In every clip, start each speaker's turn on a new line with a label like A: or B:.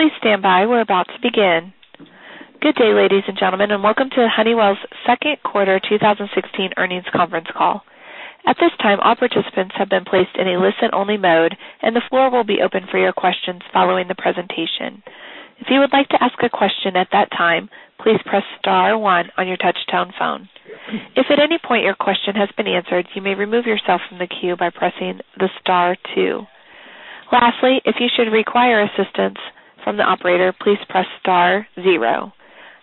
A: Please stand by. We are about to begin. Good day, ladies and gentlemen, and welcome to Honeywell's second quarter 2016 earnings conference call. At this time, all participants have been placed in a listen-only mode, and the floor will be open for your questions following the presentation. If you would like to ask a question at that time, please press star one on your touchtone phone. If at any point your question has been answered, you may remove yourself from the queue by pressing star two. Lastly, if you should require assistance from the operator, please press star zero.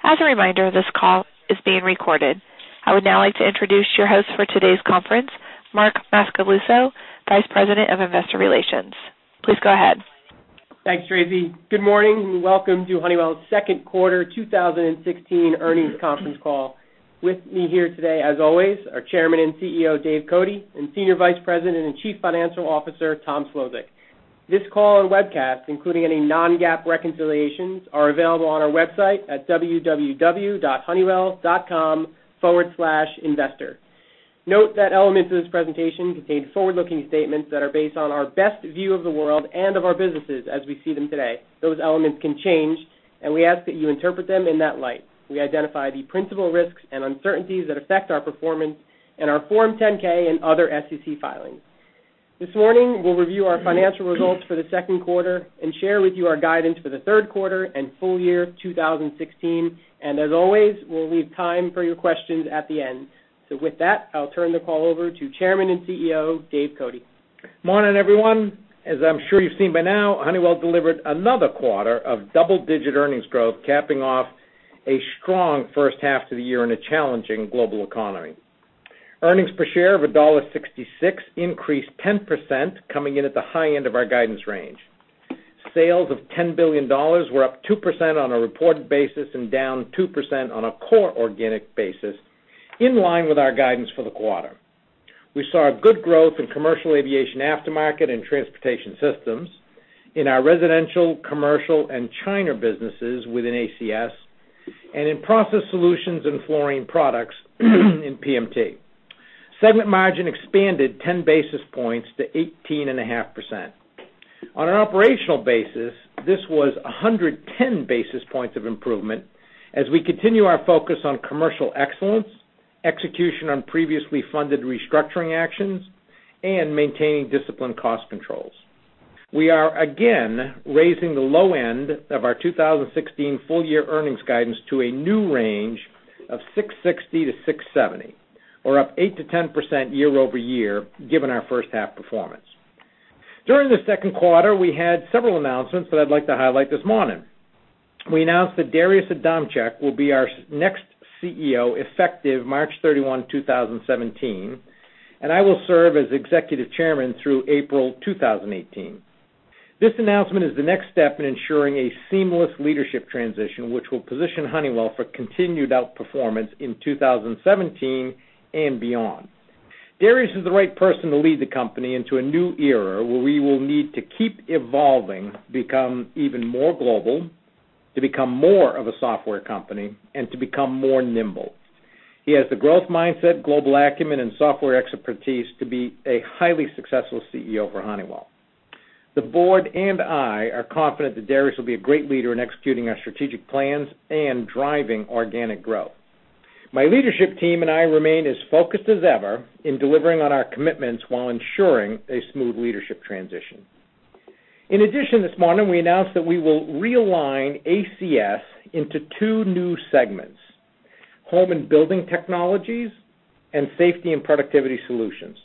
A: As a reminder, this call is being recorded. I would now like to introduce your host for today's conference, Mark Macaluso, Vice President of Investor Relations. Please go ahead.
B: Thanks, Tracy. Good morning, and welcome to Honeywell's second quarter 2016 earnings conference call. With me here today, as always, are Chairman and CEO, Dave Cote, and Senior Vice President and Chief Financial Officer, Tom Szlosek. This call and webcast, including any non-GAAP reconciliations, are available on our website at www.honeywell.com/investor. Note that elements of this presentation contain forward-looking statements that are based on our best view of the world and of our businesses as we see them today. Those elements can change, and we ask that you interpret them in that light. We identify the principal risks and uncertainties that affect our performance in our Form 10-K and other SEC filings. This morning, we will review our financial results for the second quarter and share with you our guidance for the third quarter and full year 2016. As always, we will leave time for your questions at the end. With that, I will turn the call over to Chairman and CEO, Dave Cote.
C: Morning, everyone. As I am sure you have seen by now, Honeywell delivered another quarter of double-digit earnings growth, capping off a strong first half to the year in a challenging global economy. Earnings per share of $1.66 increased 10%, coming in at the high end of our guidance range. Sales of $10 billion were up 2% on a reported basis and down 2% on a core organic basis, in line with our guidance for the quarter. We saw good growth in commercial aviation aftermarket and Transportation Systems, in our residential, commercial, and China businesses within ACS, and in process solutions and Fluorine Products in PMT. Segment margin expanded 10 basis points to 18.5%. On an operational basis, this was 110 basis points of improvement as we continue our focus on commercial excellence, execution on previously funded restructuring actions, and maintaining disciplined cost controls. We are again raising the low end of our 2016 full-year earnings guidance to a new range of $6.60-$6.70, or up 8%-10% year-over-year, given our first half performance. During the second quarter, we had several announcements that I'd like to highlight this morning. We announced that Darius Adamczyk will be our next CEO effective March 31, 2017, and I will serve as Executive Chairman through April 2018. This announcement is the next step in ensuring a seamless leadership transition, which will position Honeywell for continued outperformance in 2017 and beyond. Darius is the right person to lead the company into a new era where we will need to keep evolving, become even more global, to become more of a software company, and to become more nimble. He has the growth mindset, global acumen, and software expertise to be a highly successful CEO for Honeywell. The board and I are confident that Darius will be a great leader in executing our strategic plans and driving organic growth. My leadership team and I remain as focused as ever in delivering on our commitments while ensuring a smooth leadership transition. In addition, this morning, we announced that we will realign ACS into two new segments, Home and Building Technologies and Safety and Productivity Solutions.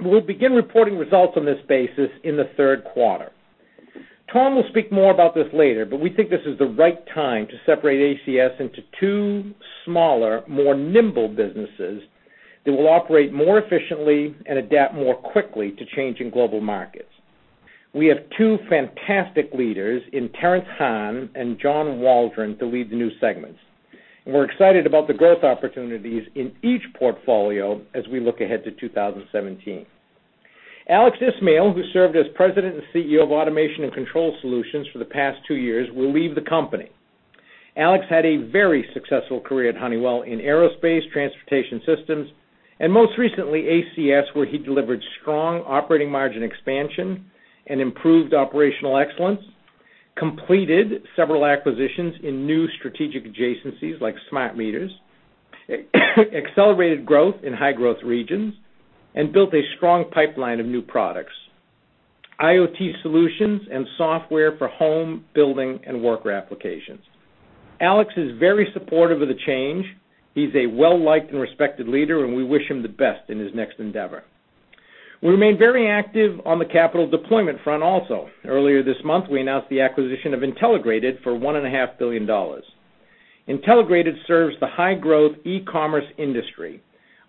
C: We'll begin reporting results on this basis in the third quarter. Tom will speak more about this later, but we think this is the right time to separate ACS into two smaller, more nimble businesses that will operate more efficiently and adapt more quickly to changing global markets. We have two fantastic leaders in Terrence Hahn and John Waldron to lead the new segments, and we're excited about the growth opportunities in each portfolio as we look ahead to 2017. Alex Ismail, who served as President and CEO of Automation and Control Solutions for the past two years, will leave the company. Alex had a very successful career at Honeywell in aerospace, Transportation Systems, and most recently, ACS, where he delivered strong operating margin expansion and improved operational excellence, completed several acquisitions in new strategic adjacencies like smart meters, accelerated growth in high-growth regions, and built a strong pipeline of new products, IoT solutions, and software for home, building, and worker applications. Alex is very supportive of the change. He's a well-liked and respected leader, and we wish him the best in his next endeavor. We remain very active on the capital deployment front also. Earlier this month, we announced the acquisition of Intelligrated for $1.5 billion. Intelligrated serves the high growth e-commerce industry,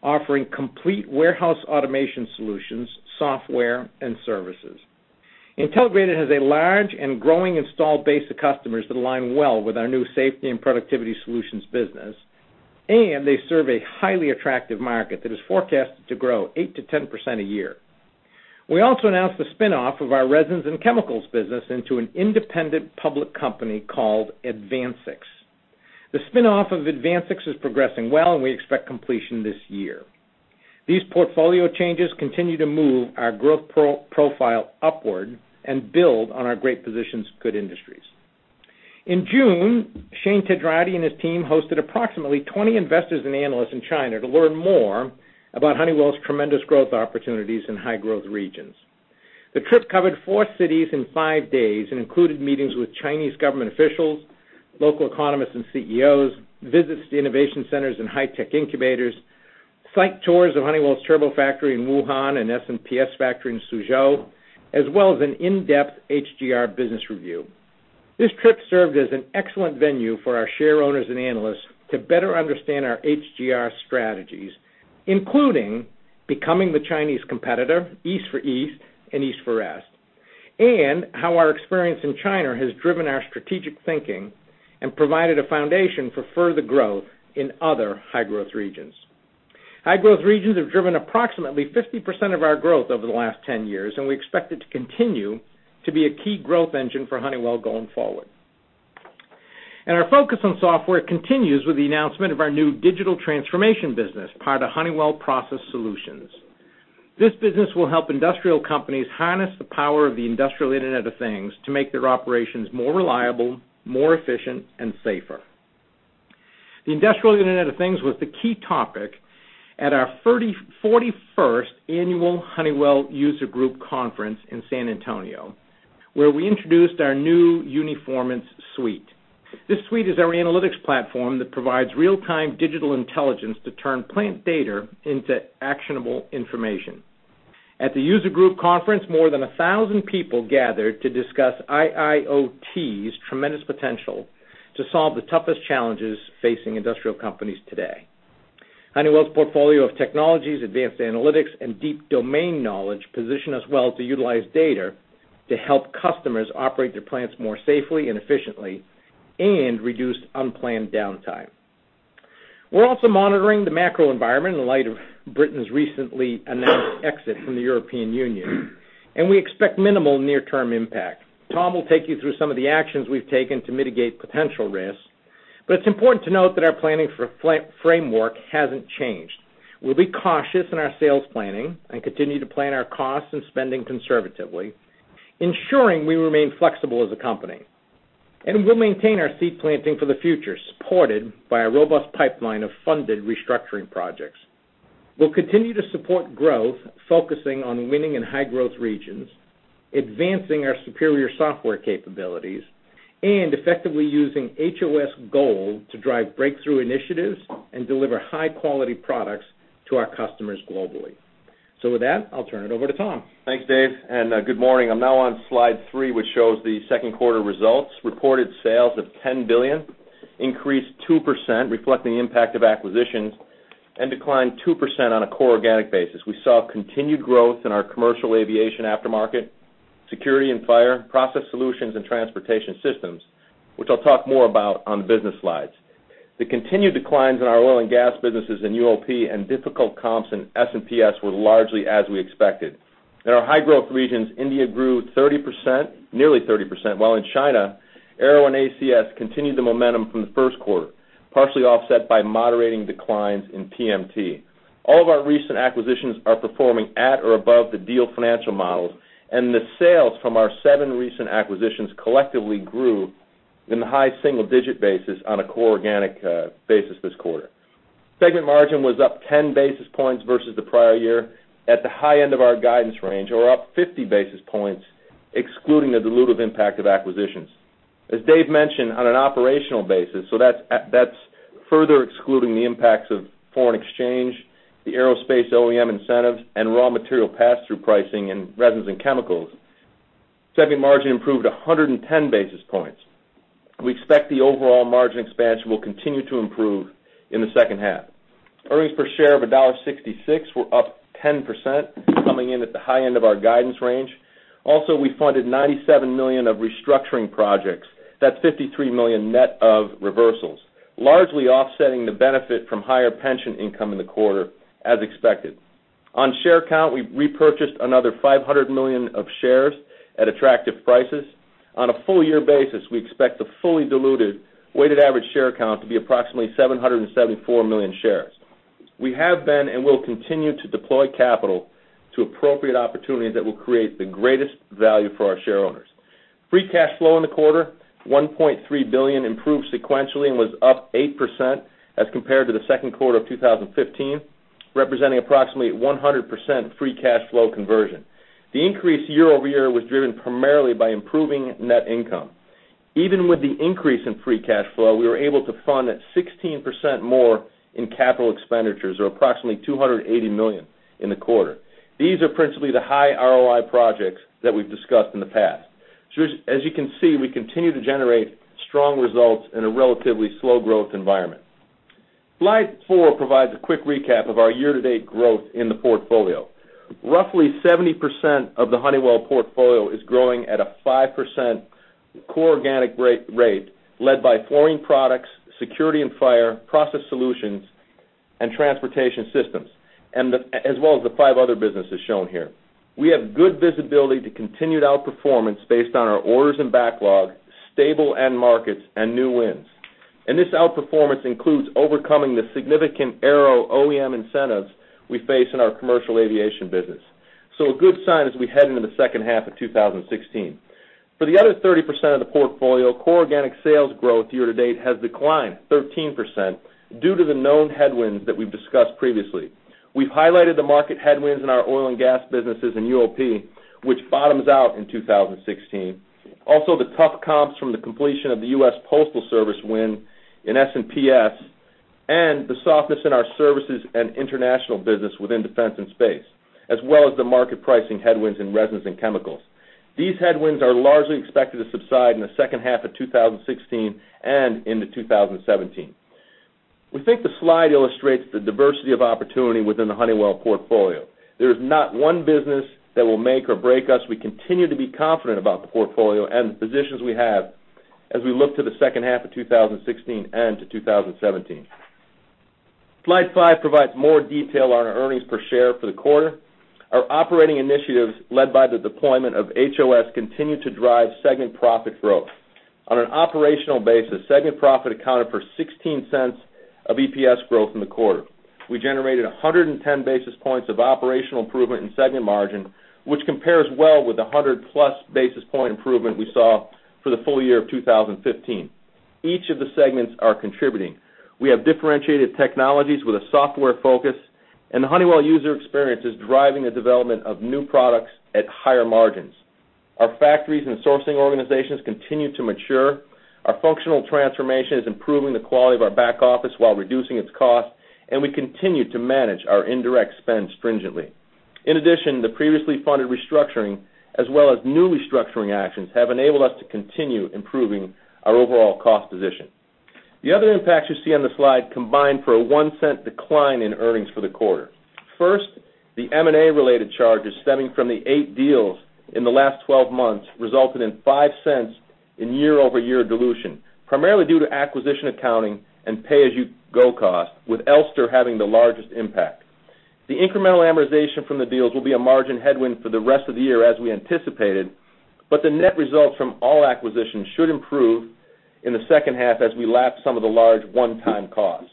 C: offering complete warehouse automation solutions, software, and services. Intelligrated has a large and growing installed base of customers that align well with our new Safety and Productivity Solutions business, and they serve a highly attractive market that is forecasted to grow 8%-10% a year. We also announced the spin-off of our Resins and Chemicals business into an independent public company called AdvanSix. The spin-off of AdvanSix is progressing well, and we expect completion this year. These portfolio changes continue to move our growth profile upward and build on our great positions, good industries. In June, Shane Tedjarati and his team hosted approximately 20 investors and analysts in China to learn more about Honeywell's tremendous growth opportunities in high-growth regions. The trip covered four cities in five days and included meetings with Chinese government officials, local economists, and CEOs, visits to innovation centers and high-tech incubators, site tours of Honeywell Turbo Technologies factory in Wuhan and SMPS factory in Suzhou, as well as an in-depth HGR business review. This trip served as an excellent venue for our shareowners and analysts to better understand our HGR strategies, including becoming the Chinese competitor, East for East and East for West, and how our experience in China has driven our strategic thinking and provided a foundation for further growth in other high-growth regions. High-growth regions have driven approximately 50% of our growth over the last 10 years. We expect it to continue to be a key growth engine for Honeywell going forward. Our focus on software continues with the announcement of our new digital transformation business, part of Honeywell Process Solutions. This business will help industrial companies harness the power of the industrial Internet of Things to make their operations more reliable, more efficient, and safer. The industrial Internet of Things was the key topic at our 41st annual Honeywell User Group Conference in San Antonio, where we introduced our new Uniformance suite. This suite is our analytics platform that provides real-time digital intelligence to turn plant data into actionable information. At the user group conference, more than 1,000 people gathered to discuss IIoT's tremendous potential to solve the toughest challenges facing industrial companies today. Honeywell's portfolio of technologies, advanced analytics, and deep domain knowledge position us well to utilize data to help customers operate their plants more safely and efficiently and reduce unplanned downtime. We're also monitoring the macro environment in light of Britain's recently announced exit from the European Union. We expect minimal near-term impact. Tom will take you through some of the actions we've taken to mitigate potential risks, but it's important to note that our planning framework hasn't changed. We'll be cautious in our sales planning and continue to plan our costs and spending conservatively, ensuring we remain flexible as a company. We'll maintain our seed planting for the future, supported by a robust pipeline of funded restructuring projects. We'll continue to support growth, focusing on winning in High-growth regions, advancing our superior software capabilities, and effectively using HOS Gold to drive breakthrough initiatives and deliver high-quality products to our customers globally. With that, I'll turn it over to Tom.
D: Thanks, Dave, and good morning. I'm now on slide three, which shows the second quarter results. Reported sales of $10 billion increased 2%, reflecting the impact of acquisitions, and declined 2% on a core organic basis. We saw continued growth in our commercial aviation aftermarket, security and fire, Process Solutions, and Transportation Systems, which I'll talk more about on the business slides. The continued declines in our oil and gas businesses in UOP and difficult comps in SMPS were largely as we expected. In our High-growth regions, India grew 30%, nearly 30%, while in China, Aero and ACS continued the momentum from the first quarter, partially offset by moderating declines in TMT. All of our recent acquisitions are performing at or above the deal financial models. The sales from our seven recent acquisitions collectively grew in the high single-digit basis on a core organic basis this quarter. Segment margin was up 10 basis points versus the prior year at the high end of our guidance range or up 50 basis points excluding the dilutive impact of acquisitions. As Dave mentioned, on an operational basis, that's further excluding the impacts of foreign exchange, the aerospace OEM incentives, and raw material pass-through pricing in Resins and Chemicals, segment margin improved 110 basis points. We expect the overall margin expansion will continue to improve in the second half. Earnings per share of $1.66 were up 10%, coming in at the high end of our guidance range. Also, we funded $97 million of restructuring projects. That's $53 million net of reversals, largely offsetting the benefit from higher pension income in the quarter as expected. On share count, we repurchased another $500 million of shares at attractive prices. On a full-year basis, we expect the fully diluted weighted average share count to be approximately 774 million shares. We have been and will continue to deploy capital to appropriate opportunities that will create the greatest value for our shareowners. Free cash flow in the quarter, $1.3 billion, improved sequentially and was up 8% as compared to the second quarter of 2015, representing approximately 100% free cash flow conversion. The increase year-over-year was driven primarily by improving net income. Even with the increase in free cash flow, we were able to fund at 16% more in capital expenditures or approximately $280 million in the quarter. These are principally the high ROI projects that we've discussed in the past. As you can see, we continue to generate strong results in a relatively slow growth environment. Slide four provides a quick recap of our year-to-date growth in the portfolio. Roughly 70% of the Honeywell portfolio is growing at a 5% core organic rate, led by Fluorine Products, security and fire, Honeywell Process Solutions, Transportation Systems, as well as the five other businesses shown here. We have good visibility to continued outperformance based on our orders and backlog, stable end markets, and new wins. This outperformance includes overcoming the significant Aero OEM incentives we face in our commercial aviation business. A good sign as we head into the second half of 2016. For the other 30% of the portfolio, core organic sales growth year-to-date has declined 13% due to the known headwinds that we've discussed previously. We've highlighted the market headwinds in our oil and gas businesses in UOP, which bottoms out in 2016. Also, the tough comps from the completion of the United States Postal Service win in SNPS, and the softness in our services and international business within defense and space, as well as the market pricing headwinds in Resins and Chemicals. These headwinds are largely expected to subside in the second half of 2016 and into 2017. We think the slide illustrates the diversity of opportunity within the Honeywell portfolio. There is not one business that will make or break us. We continue to be confident about the portfolio and the positions we have as we look to the second half of 2016 and to 2017. Slide five provides more detail on our earnings per share for the quarter. Our operating initiatives, led by the deployment of HOS, continue to drive segment profit growth. On an operational basis, segment profit accounted for $0.16 of EPS growth in the quarter. We generated 110 basis points of operational improvement in segment margin, which compares well with the 100-plus basis point improvement we saw for the full year of 2015. Each of the segments are contributing. We have differentiated technologies with a software focus, and the Honeywell user experience is driving the development of new products at higher margins. Our factories and sourcing organizations continue to mature, our functional transformation is improving the quality of our back office while reducing its cost, and we continue to manage our indirect spend stringently. In addition, the previously funded restructuring, as well as new restructuring actions, have enabled us to continue improving our overall cost position. The other impacts you see on the slide combine for a $0.01 decline in earnings for the quarter. First, the M&A-related charges stemming from the 8 deals in the last 12 months resulted in $0.05 in year-over-year dilution, primarily due to acquisition accounting and pay-as-you-go cost, with Elster having the largest impact. The incremental amortization from the deals will be a margin headwind for the rest of the year as we anticipated, but the net results from all acquisitions should improve in the second half as we lap some of the large one-time costs.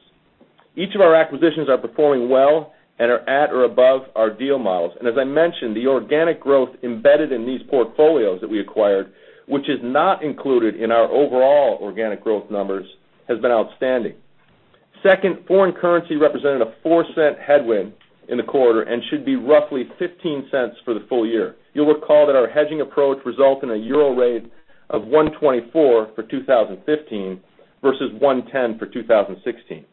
D: Each of our acquisitions are performing well and are at or above our deal models. As I mentioned, the organic growth embedded in these portfolios that we acquired, which is not included in our overall organic growth numbers, has been outstanding. Second, foreign currency represented a $0.04 headwind in the quarter and should be roughly $0.15 for the full year. You'll recall that our hedging approach result in a EUR rate of $1.24 for 2015 versus $1.10 for 2016.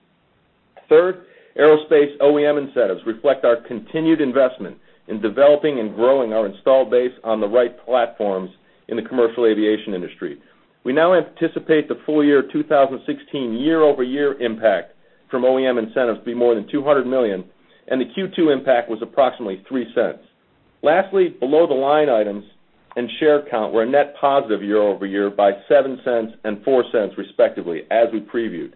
D: Third, aerospace OEM incentives reflect our continued investment in developing and growing our installed base on the right platforms in the commercial aviation industry. We now anticipate the full year 2016 year-over-year impact from OEM incentives be more than $200 million, and the Q2 impact was approximately $0.03. Lastly, below the line items and share count were a net positive year-over-year by $0.07 and $0.04 respectively, as we previewed.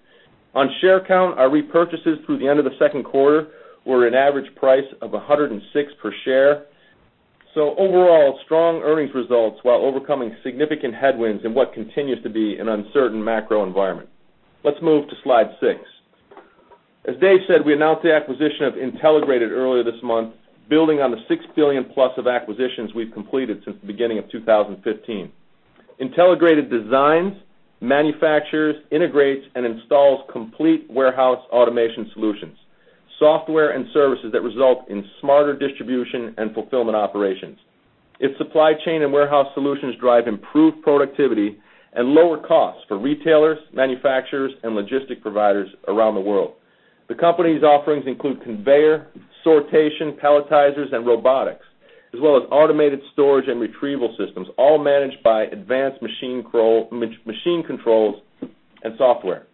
D: On share count, our repurchases through the end of the second quarter were an average price of $106 per share. Overall, strong earnings results while overcoming significant headwinds in what continues to be an uncertain macro environment. Let's move to slide 6. As Dave said, we announced the acquisition of Intelligrated earlier this month, building on the $6 billion+ of acquisitions we've completed since the beginning of 2015. Intelligrated designs, manufactures, integrates, and installs complete warehouse automation solutions, software and services that result in smarter distribution and fulfillment operations. Its supply chain and warehouse solutions drive improved productivity and lower costs for retailers, manufacturers, and logistic providers around the world. The company's offerings include conveyor, sortation, palletizers, and robotics, as well as automated storage and retrieval systems, all managed by advanced machine controls and software.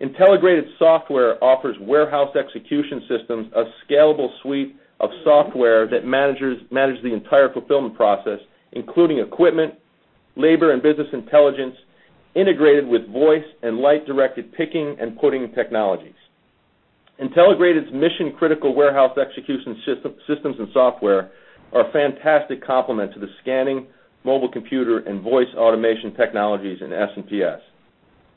D: Intelligrated's software offers warehouse execution systems, a scalable suite of software that manage the entire fulfillment process, including equipment, labor, and business intelligence integrated with voice and light-directed picking and putting technologies. Intelligrated's mission-critical warehouse execution systems and software are a fantastic complement to the scanning, mobile computer, and voice automation technologies in SPS.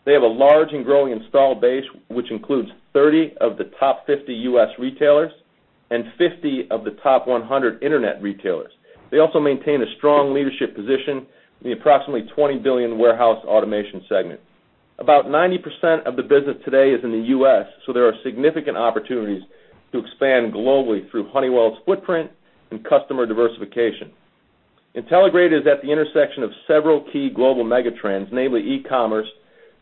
D: They have a large and growing installed base, which includes 30 of the top 50 U.S. retailers and 50 of the top 100 internet retailers. They also maintain a strong leadership position in the approximately $20 billion warehouse automation segment. About 90% of the business today is in the U.S., there are significant opportunities to expand globally through Honeywell's footprint and customer diversification. Intelligrated is at the intersection of several key global mega trends, namely e-commerce,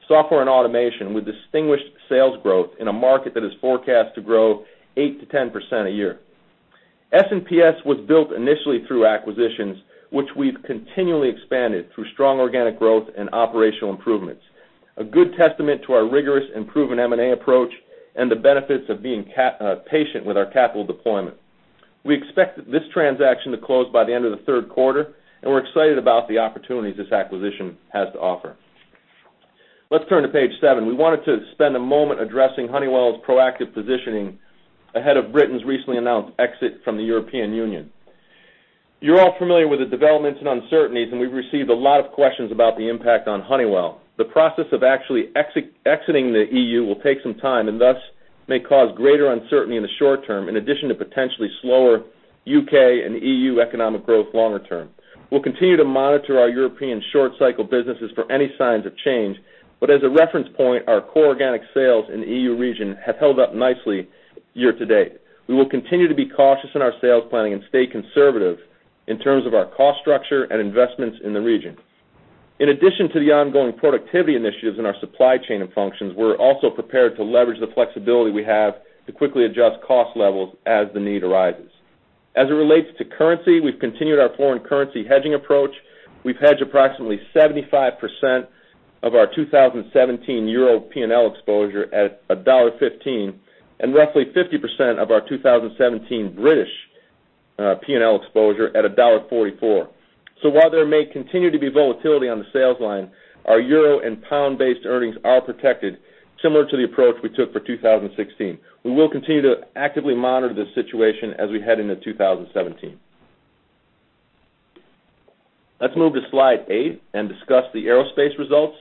D: software and automation, with distinguished sales growth in a market that is forecast to grow 8%-10% a year. SPS was built initially through acquisitions, which we've continually expanded through strong organic growth and operational improvements, a good testament to our rigorous and proven M&A approach and the benefits of being patient with our capital deployment. We expect this transaction to close by the end of the third quarter, we're excited about the opportunities this acquisition has to offer. Let's turn to page seven. We wanted to spend a moment addressing Honeywell's proactive positioning ahead of Britain's recently announced exit from the European Union. You're all familiar with the developments and uncertainties, we've received a lot of questions about the impact on Honeywell. The process of actually exiting the EU will take some time and thus may cause greater uncertainty in the short term, in addition to potentially slower U.K. and EU economic growth longer term. We'll continue to monitor our European short-cycle businesses for any signs of change. As a reference point, our core organic sales in the EU region have held up nicely year-to-date. We will continue to be cautious in our sales planning and stay conservative in terms of our cost structure and investments in the region. In addition to the ongoing productivity initiatives in our supply chain and functions, we're also prepared to leverage the flexibility we have to quickly adjust cost levels as the need arises. As it relates to currency, we've continued our foreign currency hedging approach. We've hedged approximately 75% of our 2017 Euro P&L exposure at $1.15 and roughly 50% of our 2017 British P&L exposure at $1.44. While there may continue to be volatility on the sales line, our euro and pound-based earnings are protected, similar to the approach we took for 2016. We will continue to actively monitor this situation as we head into 2017. Let's move to slide eight and discuss the aerospace results.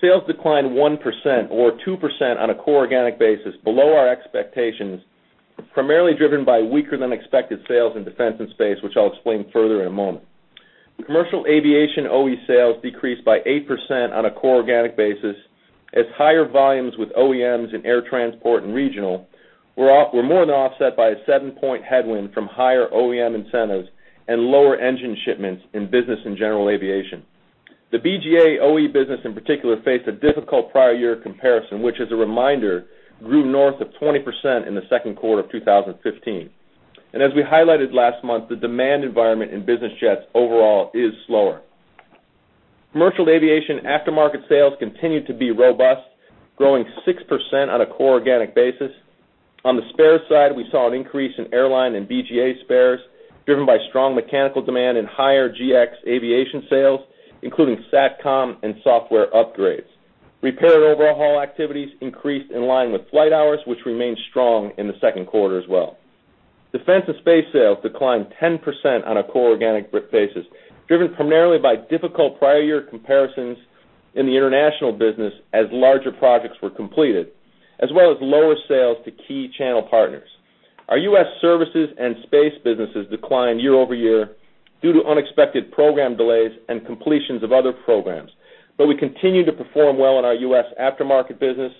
D: Sales declined 1%, or 2% on a core organic basis, below our expectations, primarily driven by weaker than expected sales in defense and space, which I'll explain further in a moment. Commercial aviation OE sales decreased by 8% on a core organic basis as higher volumes with OEMs in air transport and regional were more than offset by a seven-point headwind from higher OEM incentives and lower engine shipments in business and general aviation. The BGA OE business in particular faced a difficult prior year comparison, which as a reminder, grew north of 20% in the second quarter of 2015. As we highlighted last month, the demand environment in business jets overall is slower. Commercial aviation aftermarket sales continued to be robust, growing 6% on a core organic basis. On the spares side, we saw an increase in airline and BGA spares, driven by strong mechanical demand and higher GX Aviation sales, including SATCOM and software upgrades. Repair and overhaul activities increased in line with flight hours, which remained strong in the second quarter as well. Defense and space sales declined 10% on a core organic basis, driven primarily by difficult prior year comparisons in the international business as larger projects were completed, as well as lower sales to key channel partners. Our U.S. services and space businesses declined year-over-year due to unexpected program delays and completions of other programs. We continue to perform well in our U.S. aftermarket business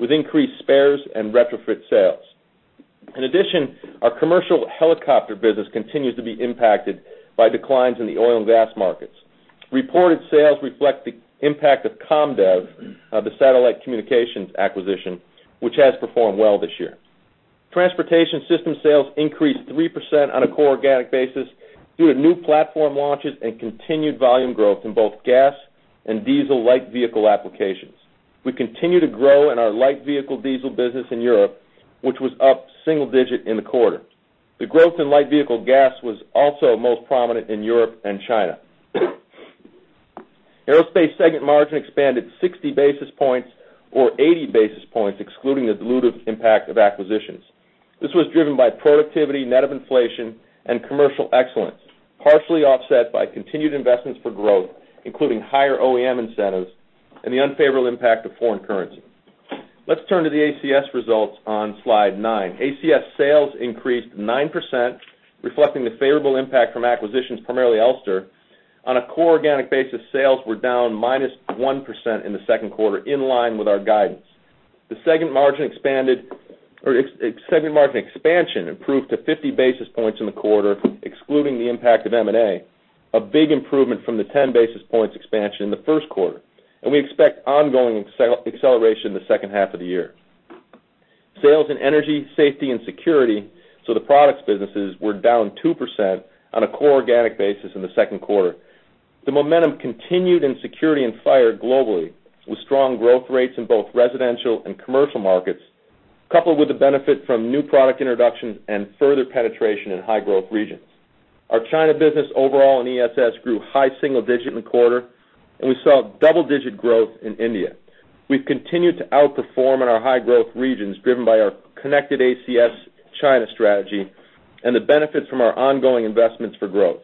D: with increased spares and retrofit sales. In addition, our commercial helicopter business continues to be impacted by declines in the oil and gas markets. Reported sales reflect the impact of COM DEV, the satellite communications acquisition, which has performed well this year. Transportation Systems sales increased 3% on a core organic basis due to new platform launches and continued volume growth in both gas and diesel light vehicle applications. We continue to grow in our light vehicle diesel business in Europe, which was up single digit in the quarter. The growth in light vehicle gas was also most prominent in Europe and China. Aerospace segment margin expanded 60 basis points, or 80 basis points, excluding the dilutive impact of acquisitions. Let's turn to the ACS results on slide nine. ACS sales increased 9%, reflecting the favorable impact from acquisitions, primarily Elster. On a core organic basis, sales were down -1% in the second quarter, in line with our guidance. The segment margin expansion improved to 50 basis points in the quarter, excluding the impact of M&A, a big improvement from the 10 basis points expansion in the first quarter. We expect ongoing acceleration in the second half of the year. Sales in energy, safety, and security, so the products businesses, were down 2% on a core organic basis in the second quarter. The momentum continued in security and fire globally, with strong growth rates in both residential and commercial markets, coupled with the benefit from new product introductions and further penetration in high-growth regions. Our China business overall in E&ES grew high single digit in the quarter, and we saw double-digit growth in India. We've continued to outperform in our high-growth regions, driven by our connected ACS China strategy and the benefits from our ongoing investments for growth.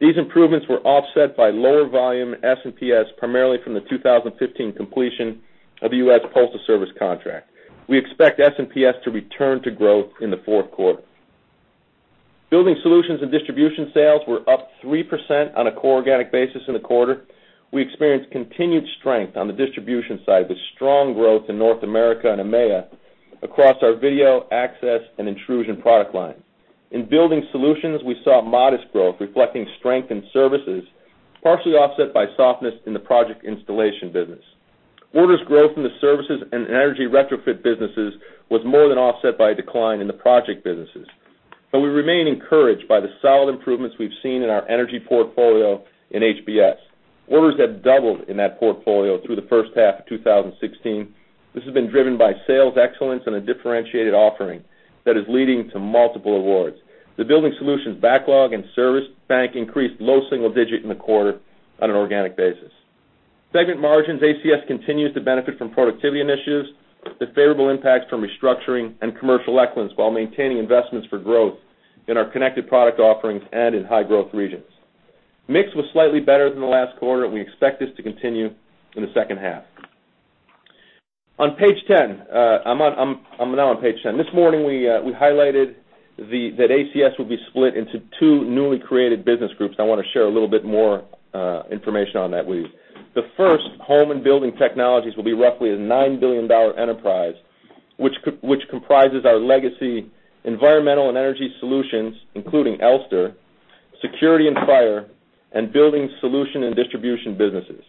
D: These improvements were offset by lower volume in S&PS, primarily from the 2015 completion of the U.S. Postal Service contract. We expect S&PS to return to growth in the fourth quarter. Building solutions and distribution sales were up 3% on a core organic basis in the quarter. We experienced continued strength on the distribution side, with strong growth in North America and EMEA across our video, access, and intrusion product lines. In building solutions, we saw modest growth reflecting strength in services, partially offset by softness in the project installation business. Orders growth in the services and energy retrofit businesses was more than offset by a decline in the project businesses. We remain encouraged by the solid improvements we've seen in our energy portfolio in HBS. Orders have doubled in that portfolio through the first half of 2016. This has been driven by sales excellence and a differentiated offering that is leading to multiple awards. The Building Solutions backlog and service bank increased low single-digit in the quarter on an organic basis. Segment margins. ACS continues to benefit from productivity initiatives, the favorable impacts from restructuring and commercial excellence while maintaining investments for growth in our connected product offerings and in high-growth regions. Mix was slightly better than the last quarter, and we expect this to continue in the second half. On page 10. I'm now on page 10. This morning, we highlighted that ACS will be split into two newly created business groups. I want to share a little bit more information on that with you. The first, Home and Building Technologies, will be roughly a $9 billion enterprise, which comprises our legacy Environmental & Energy Solutions, including Elster, security and fire, and building solution and distribution businesses.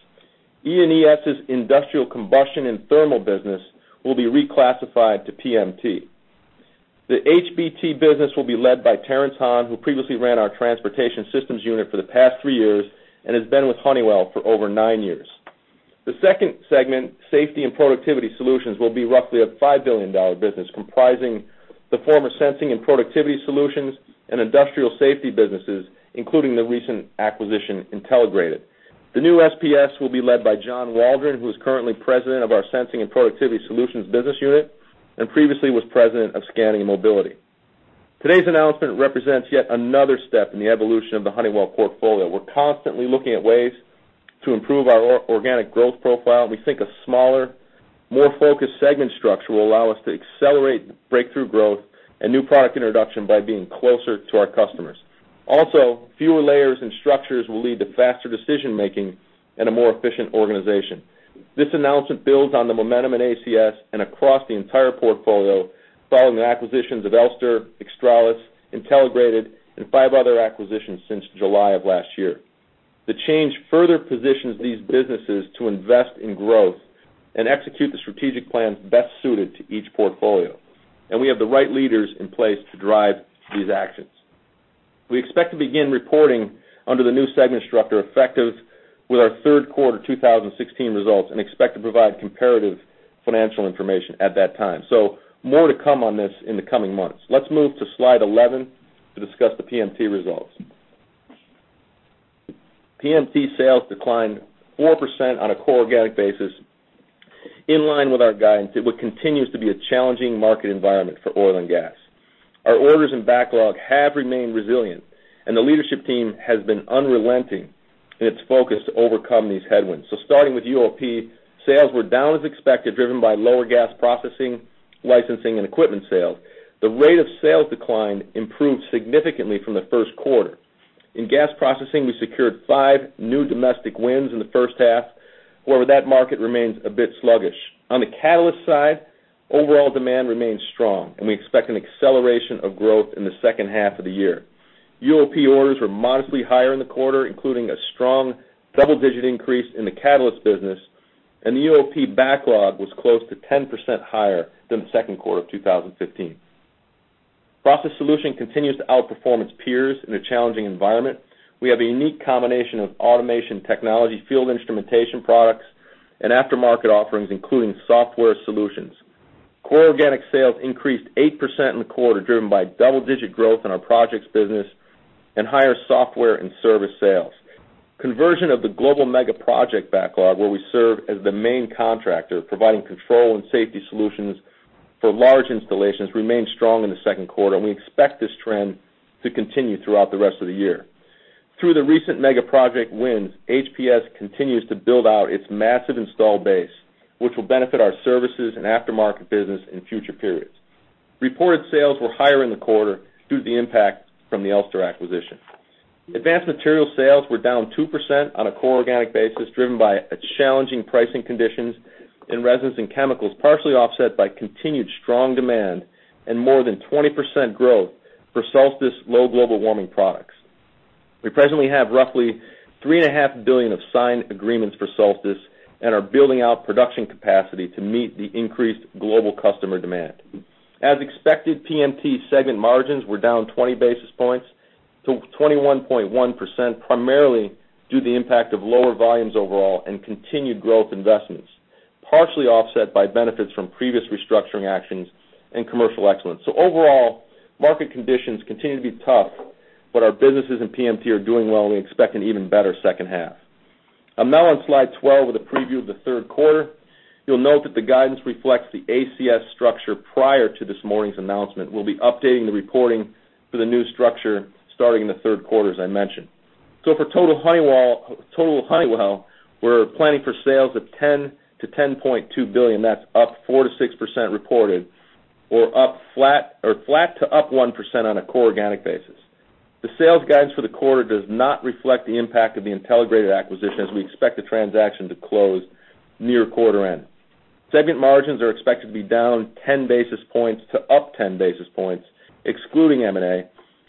D: E&ES's industrial combustion and thermal business will be reclassified to PMT. The HBT business will be led by Terrence Hahn, who previously ran our Transportation Systems unit for the past three years and has been with Honeywell for over nine years. The second segment, Safety and Productivity Solutions, will be roughly a $5 billion business comprising the former Sensing and Productivity Solutions and Industrial Safety businesses, including the recent acquisition, Intelligrated. The new SPS will be led by John Waldron, who is currently president of our Sensing and Productivity Solutions business unit and previously was president of Scanning & Mobility. Today's announcement represents yet another step in the evolution of the Honeywell portfolio. We're constantly looking at ways to improve our organic growth profile. We think a smaller, more focused segment structure will allow us to accelerate breakthrough growth and new product introduction by being closer to our customers. Also, fewer layers and structures will lead to faster decision-making and a more efficient organization. This announcement builds on the momentum in ACS and across the entire portfolio following the acquisitions of Elster, Xtralis, Intelligrated, and five other acquisitions since July of last year. The change further positions these businesses to invest in growth and execute the strategic plans best suited to each portfolio, and we have the right leaders in place to drive these actions. We expect to begin reporting under the new segment structure effective with our third quarter 2016 results and expect to provide comparative financial information at that time. More to come on this in the coming months. Let's move to slide 11 to discuss the PMT results. PMT sales declined 4% on a core organic basis in line with our guidance. It continues to be a challenging market environment for oil and gas. Our orders and backlog have remained resilient, and the leadership team has been unrelenting in its focus to overcome these headwinds. Starting with UOP, sales were down as expected, driven by lower gas processing, licensing, and equipment sales. The rate of sales decline improved significantly from the first quarter. In gas processing, we secured five new domestic wins in the first half. However, that market remains a bit sluggish. On the catalyst side, overall demand remains strong, and we expect an acceleration of growth in the second half of the year. Honeywell UOP orders were modestly higher in the quarter, including a strong double-digit increase in the catalyst business, and the Honeywell UOP backlog was close to 10% higher than the second quarter of 2015. Honeywell Process Solutions continues to outperform its peers in a challenging environment. We have a unique combination of automation technology, field instrumentation products, and aftermarket offerings, including software solutions. Core organic sales increased 8% in the quarter, driven by double-digit growth in our projects business and higher software and service sales. Conversion of the global mega-project backlog, where we serve as the main contractor providing control and safety solutions for large installations, remained strong in the second quarter, and we expect this trend to continue throughout the rest of the year. Through the recent mega-project wins, HPS continues to build out its massive install base, which will benefit our services and aftermarket business in future periods. Reported sales were higher in the quarter due to the impact from the Elster acquisition. Advanced Materials' sales were down 2% on a core organic basis, driven by challenging pricing conditions in Resins and Chemicals, partially offset by continued strong demand and more than 20% growth for Solstice low global warming products. We presently have roughly $3.5 billion of signed agreements for Solstice and are building out production capacity to meet the increased global customer demand. As expected, PMT segment margins were down 20 basis points to 21.1%, primarily due to the impact of lower volumes overall and continued growth investments, partially offset by benefits from previous restructuring actions and commercial excellence. Overall, market conditions continue to be tough, but our businesses in PMT are doing well, and we expect an even better second half. I'm now on slide 12 with a preview of the third quarter. You'll note that the guidance reflects the ACS structure prior to this morning's announcement. We'll be updating the reporting for the new structure starting in the third quarter, as I mentioned. For total Honeywell, we're planning for sales of $10 billion-$10.2 billion. That's up 4%-6% reported or flat to up 1% on a core organic basis. The sales guidance for the quarter does not reflect the impact of the Intelligrated acquisition, as we expect the transaction to close near quarter-end. Segment margins are expected to be down 10 basis points to up 10 basis points, excluding M&A,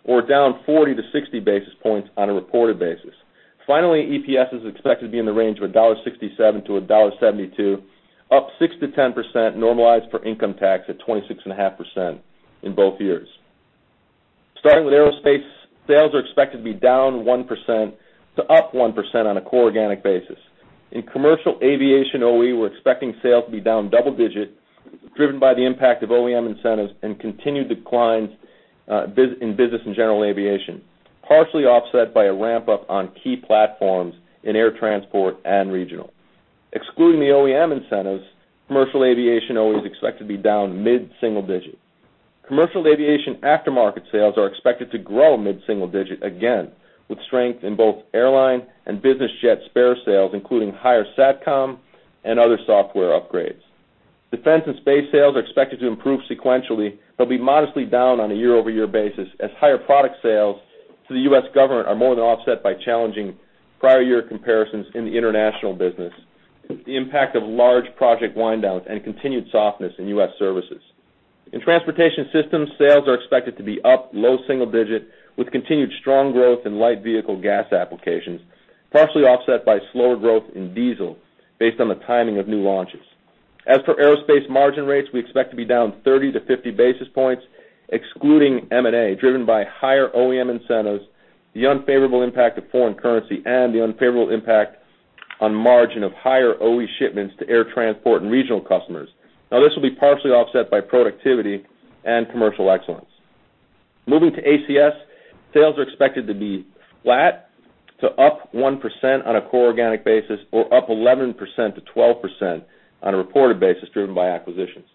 D: or down 40 to 60 basis points on a reported basis. Finally, EPS is expected to be in the range of $1.67 to $1.72, up 6%-10%, normalized for income tax at 26.5% in both years. Starting with aerospace, sales are expected to be down 1% to up 1% on a core organic basis. In commercial aviation OE, we're expecting sales to be down double-digit, driven by the impact of OEM incentives and continued declines in business and general aviation, partially offset by a ramp-up on key platforms in air transport and regional. Excluding the OEM incentives, commercial aviation OE is expected to be down mid-single-digit. Commercial aviation aftermarket sales are expected to grow mid-single-digit again, with strength in both airline and business jet spare sales, including higher SATCOM and other software upgrades. Defense and space sales are expected to improve sequentially, but be modestly down on a year-over-year basis as higher product sales to the U.S. government are more than offset by challenging prior year comparisons in the international business, the impact of large project wind-downs, and continued softness in U.S. services. In Transportation Systems, sales are expected to be up low single-digit with continued strong growth in light vehicle gas applications, partially offset by slower growth in diesel based on the timing of new launches. As for aerospace margin rates, we expect to be down 30-50 basis points excluding M&A, driven by higher OEM incentives, the unfavorable impact of foreign currency, and the unfavorable impact on margin of higher OE shipments to air transport and regional customers. This will be partially offset by productivity and commercial excellence. Moving to ACS, sales are expected to be flat to up 1% on a core organic basis, or up 11%-12% on a reported basis, driven by acquisitions.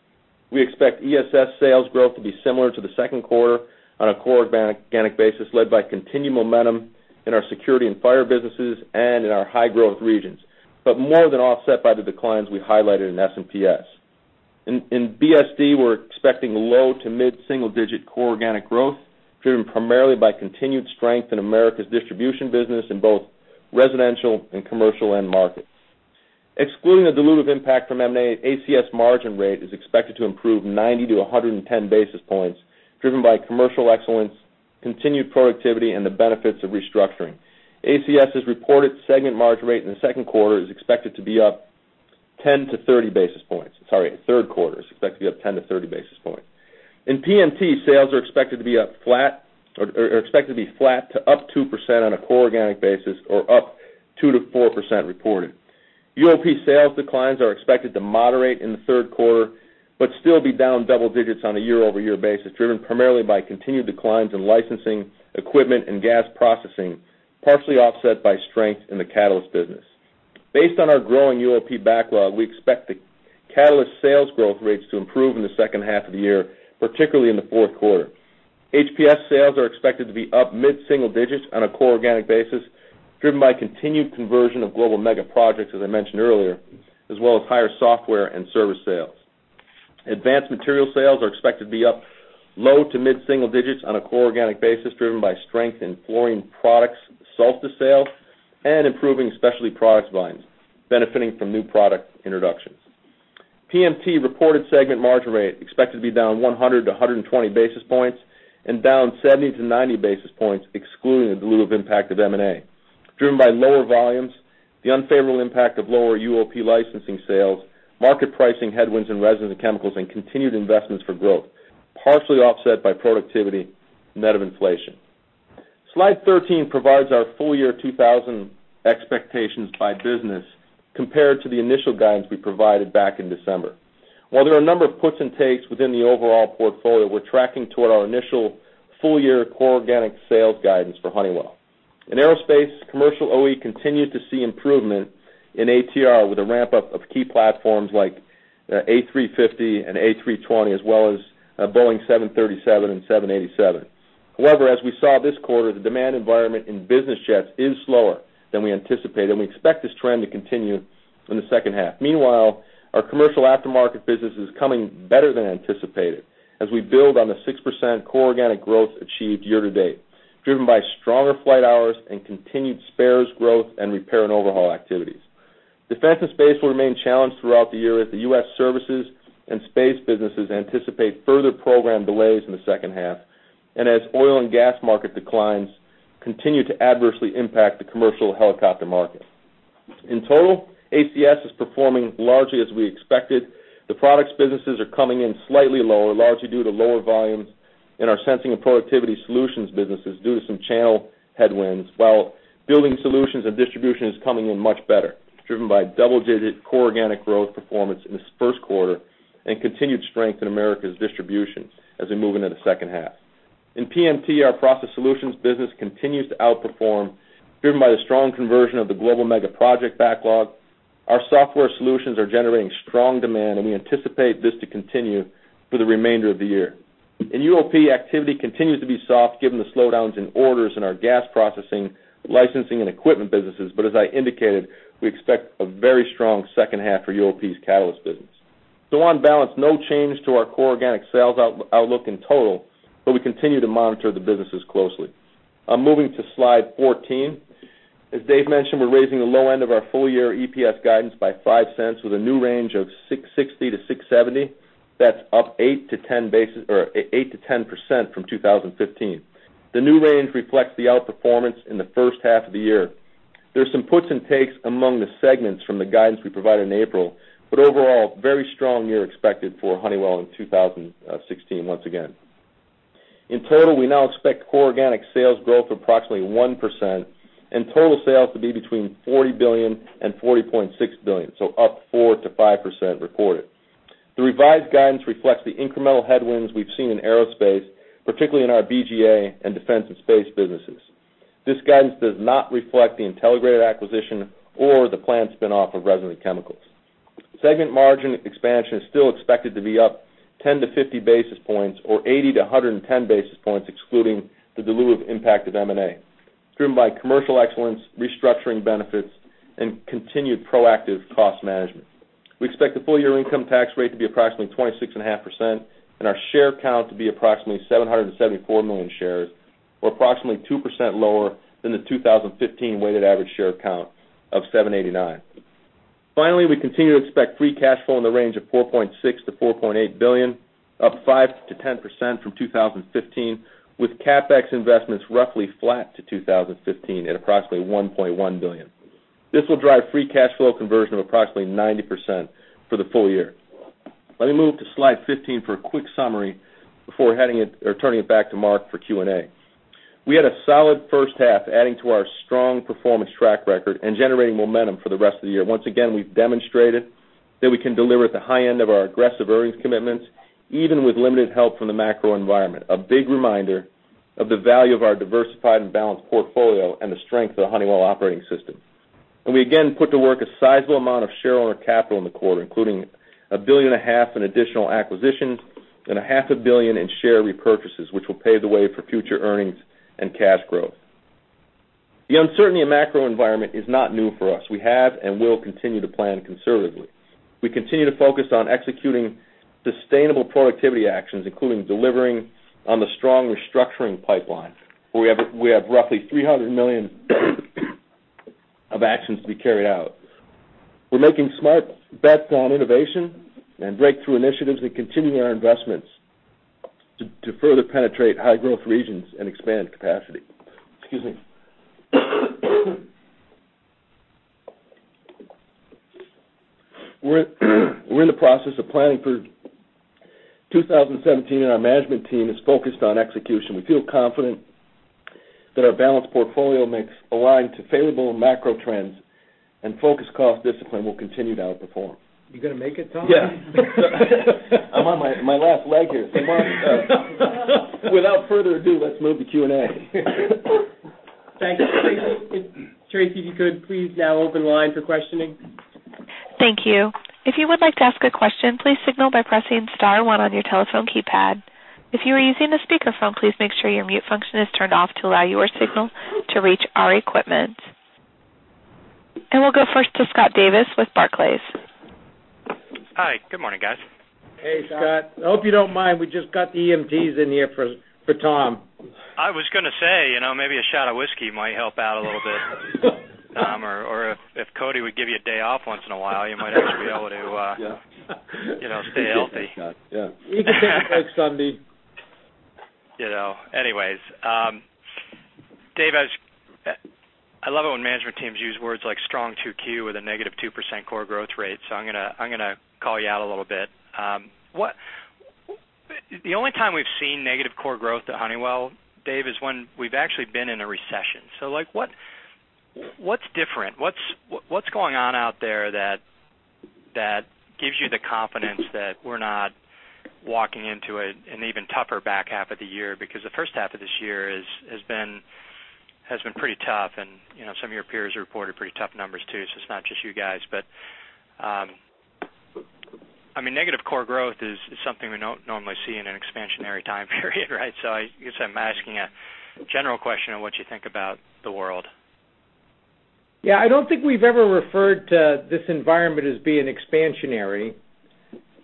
D: We expect ESS sales growth to be similar to the second quarter on a core organic basis, led by continued momentum in our security and fire businesses and in our high-growth regions, but more than offset by the declines we highlighted in S&PS. In BSD, we're expecting low to mid-single-digit core organic growth, driven primarily by continued strength in Americas distribution business in both residential and commercial end markets. Excluding the dilutive impact from M&A, ACS margin rate is expected to improve 90-110 basis points, driven by commercial excellence, continued productivity, and the benefits of restructuring. ACS's reported segment margin rate in the second quarter is expected to be up 10-30 basis points. Third quarter is expected to be up 10-30 basis points. In PMT, sales are expected to be flat to up 2% on a core organic basis, or up 2%-4% reported. UOP sales declines are expected to moderate in the third quarter, but still be down double-digits on a year-over-year basis, driven primarily by continued declines in licensing equipment and gas processing, partially offset by strength in the catalyst business. Based on our growing UOP backlog, we expect the catalyst sales growth rates to improve in the second half of the year, particularly in the fourth quarter. HPS sales are expected to be up mid-single-digits on a core organic basis, driven by continued conversion of global mega projects, as I mentioned earlier, as well as higher software and service sales. Advanced Materials sales are expected to be up low to mid-single-digits on a core organic basis, driven by strength in Fluorine Products sulfur sales and improving specialty products volumes, benefiting from new product introductions. PMT reported segment margin rate expected to be down 100-120 basis points and down 70-90 basis points excluding the dilutive impact of M&A, driven by lower volumes, the unfavorable impact of lower UOP licensing sales, market pricing headwinds in Resins and Chemicals, and continued investments for growth, partially offset by productivity net of inflation. Slide 13 provides our full year 2000 expectations by business compared to the initial guidance we provided back in December. While there are a number of puts and takes within the overall portfolio, we're tracking toward our initial full-year core organic sales guidance for Honeywell. In aerospace, commercial OE continued to see improvement in AT&R with a ramp-up of key platforms like A350 and A320, as well as Boeing 737 and 787. However, as we saw this quarter, the demand environment in business jets is slower than we anticipated, and we expect this trend to continue in the second half. Meanwhile, our commercial aftermarket business is coming better than anticipated as we build on the 6% core organic growth achieved year to date, driven by stronger flight hours and continued spares growth and repair and overhaul activities. Defense and space will remain challenged throughout the year as the U.S. services and space businesses anticipate further program delays in the second half and as oil and gas market declines continue to adversely impact the commercial helicopter market. In total, ACS is performing largely as we expected. The products businesses are coming in slightly lower, largely due to lower volumes in our Sensing and Productivity Solutions businesses due to some channel headwinds, while building solutions and distribution is coming in much better, driven by double-digit core organic growth performance in this first quarter and continued strength in Americas distributions as we move into the second half. In PMT, our process solutions business continues to outperform, driven by the strong conversion of the global mega project backlog. Our software solutions are generating strong demand, and we anticipate this to continue for the remainder of the year. In UOP, activity continues to be soft given the slowdowns in orders in our gas processing, licensing, and equipment businesses. As I indicated, we expect a very strong second half for UOP's catalyst business. On balance, no change to our core organic sales outlook in total, but we continue to monitor the businesses closely. Moving to slide 14. As Dave mentioned, we're raising the low end of our full-year EPS guidance by $0.05 with a new range of $6.60-$6.70. That's up 8%-10% from 2015. The new range reflects the outperformance in the first half of the year. There's some puts and takes among the segments from the guidance we provided in April, but overall, very strong year expected for Honeywell in 2016 once again. In total, we now expect core organic sales growth of approximately 1% and total sales to be between $40 billion-$40.6 billion, up 4%-5% reported. The revised guidance reflects the incremental headwinds we've seen in aerospace, particularly in our BGA and defense and space businesses. This guidance does not reflect the Intelligrated acquisition or the planned spin-off of Resins and Chemicals. Segment margin expansion is still expected to be up 10-50 basis points, or 80-110 basis points, excluding the dilutive impact of M&A, driven by commercial excellence, restructuring benefits, and continued proactive cost management. We expect the full year income tax rate to be approximately 26.5%, and our share count to be approximately 774 million shares, or approximately 2% lower than the 2015 weighted average share count of 789. Finally, we continue to expect free cash flow in the range of $4.6 billion-$4.8 billion, up 5%-10% from 2015, with CapEx investments roughly flat to 2015 at approximately $1.1 billion. This will drive free cash flow conversion of approximately 90% for the full year. Let me move to slide 15 for a quick summary before turning it back to Mark for Q&A. We had a solid first half, adding to our strong performance track record and generating momentum for the rest of the year. Once again, we've demonstrated that we can deliver at the high end of our aggressive earnings commitments, even with limited help from the macro environment, a big reminder of the value of our diversified and balanced portfolio and the strength of the Honeywell operating system. We again put to work a sizable amount of shareowner capital in the quarter, including a billion and a half in additional acquisitions and a half a billion in share repurchases, which will pave the way for future earnings and cash growth. The uncertainty in macro environment is not new for us. We have and will continue to plan conservatively. We continue to focus on executing sustainable productivity actions, including delivering on the strong restructuring pipeline, where we have roughly $300 million of actions to be carried out. We're making smart bets on innovation and breakthrough initiatives and continuing our investments to further penetrate high growth regions and expand capacity. Excuse me. We're in the process of planning for 2017. Our management team is focused on execution. We feel confident that our balanced portfolio mix aligned to favorable macro trends and focused cost discipline will continue to outperform.
C: You going to make it, Tom?
D: Yeah. I'm on my last leg here. Mark, without further ado, let's move to Q&A.
C: Thanks. Tracy, if you could please now open lines for questioning.
A: Thank you. If you would like to ask a question, please signal by pressing * one on your telephone keypad. If you are using a speakerphone, please make sure your mute function is turned off to allow your signal to reach our equipment. We'll go first to Scott Davis with Barclays.
E: Hi, good morning, guys.
C: Hey, Scott. I hope you don't mind, we just got the EMTs in here for Tom.
E: I was going to say, maybe a shot of whiskey might help out a little bit, Tom. If Cote would give you a day off once in a while, you might actually be able to stay healthy.
D: Yeah.
C: You can take next Sunday.
E: Dave, I love it when management teams use words like strong 2Q with a negative 2% core growth rate, I'm going to call you out a little bit. The only time we've seen negative core growth at Honeywell, Dave, is when we've actually been in a recession. What's different? What's going on out there that gives you the confidence that we're not walking into an even tougher back half of the year? The first half of this year has been pretty tough, and some of your peers reported pretty tough numbers too, it's not just you guys. Negative core growth is something we don't normally see in an expansionary time period, right? I guess I'm asking a general question on what you think about the world.
C: Yeah, I don't think we've ever referred to this environment as being expansionary,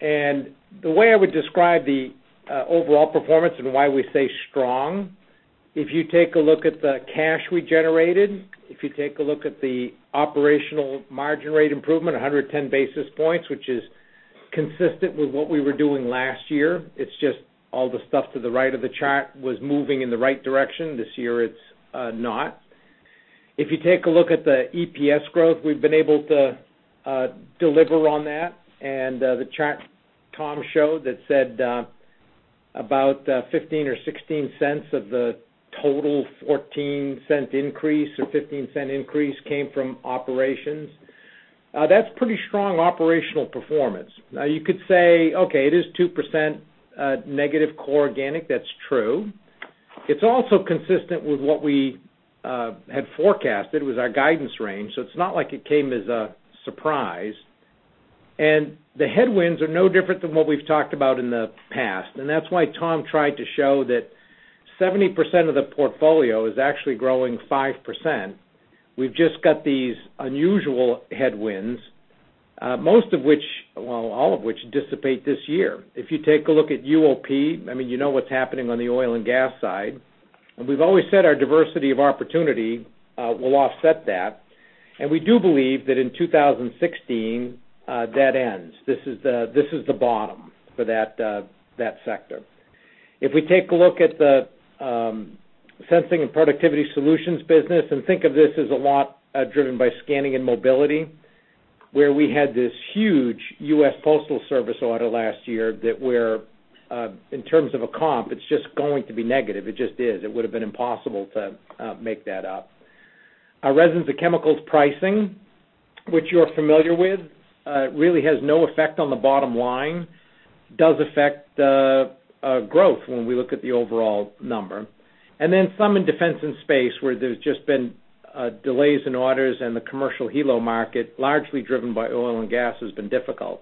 C: the way I would describe the overall performance and why we say strong, if you take a look at the cash we generated, if you take a look at the operational margin rate improvement, 110 basis points, which is consistent with what we were doing last year. It's just all the stuff to the right of the chart was moving in the right direction. This year, it's not. If you take a look at the EPS growth, we've been able to deliver on that, the chart Tom showed that said about $0.15 or $0.16 of the total $0.14 increase, or $0.15 increase, came from operations. That's pretty strong operational performance. You could say, okay, it is 2% negative core organic. That's true. It's also consistent with what we had forecasted with our guidance range. It's not like it came as a surprise. The headwinds are no different than what we've talked about in the past, and that's why Tom tried to show that 70% of the portfolio is actually growing 5%. We've just got these unusual headwinds, most of which, well, all of which dissipate this year. If you take a look at UOP, you know what's happening on the oil and gas side. We've always said our diversity of opportunity will offset that. We do believe that in 2016, that ends. This is the bottom for that sector. If we take a look at the Sensing and Productivity Solutions business, think of this as a lot driven by Scanning & Mobility, where we had this huge United States Postal Service order last year that where, in terms of a comp, it's just going to be negative. It just is. It would've been impossible to make that up. Our Resins and Chemicals pricing, which you're familiar with, really has no effect on the bottom line. Does affect growth when we look at the overall number. Some in defense and space, where there's just been delays in orders and the commercial helo market, largely driven by oil and gas, has been difficult.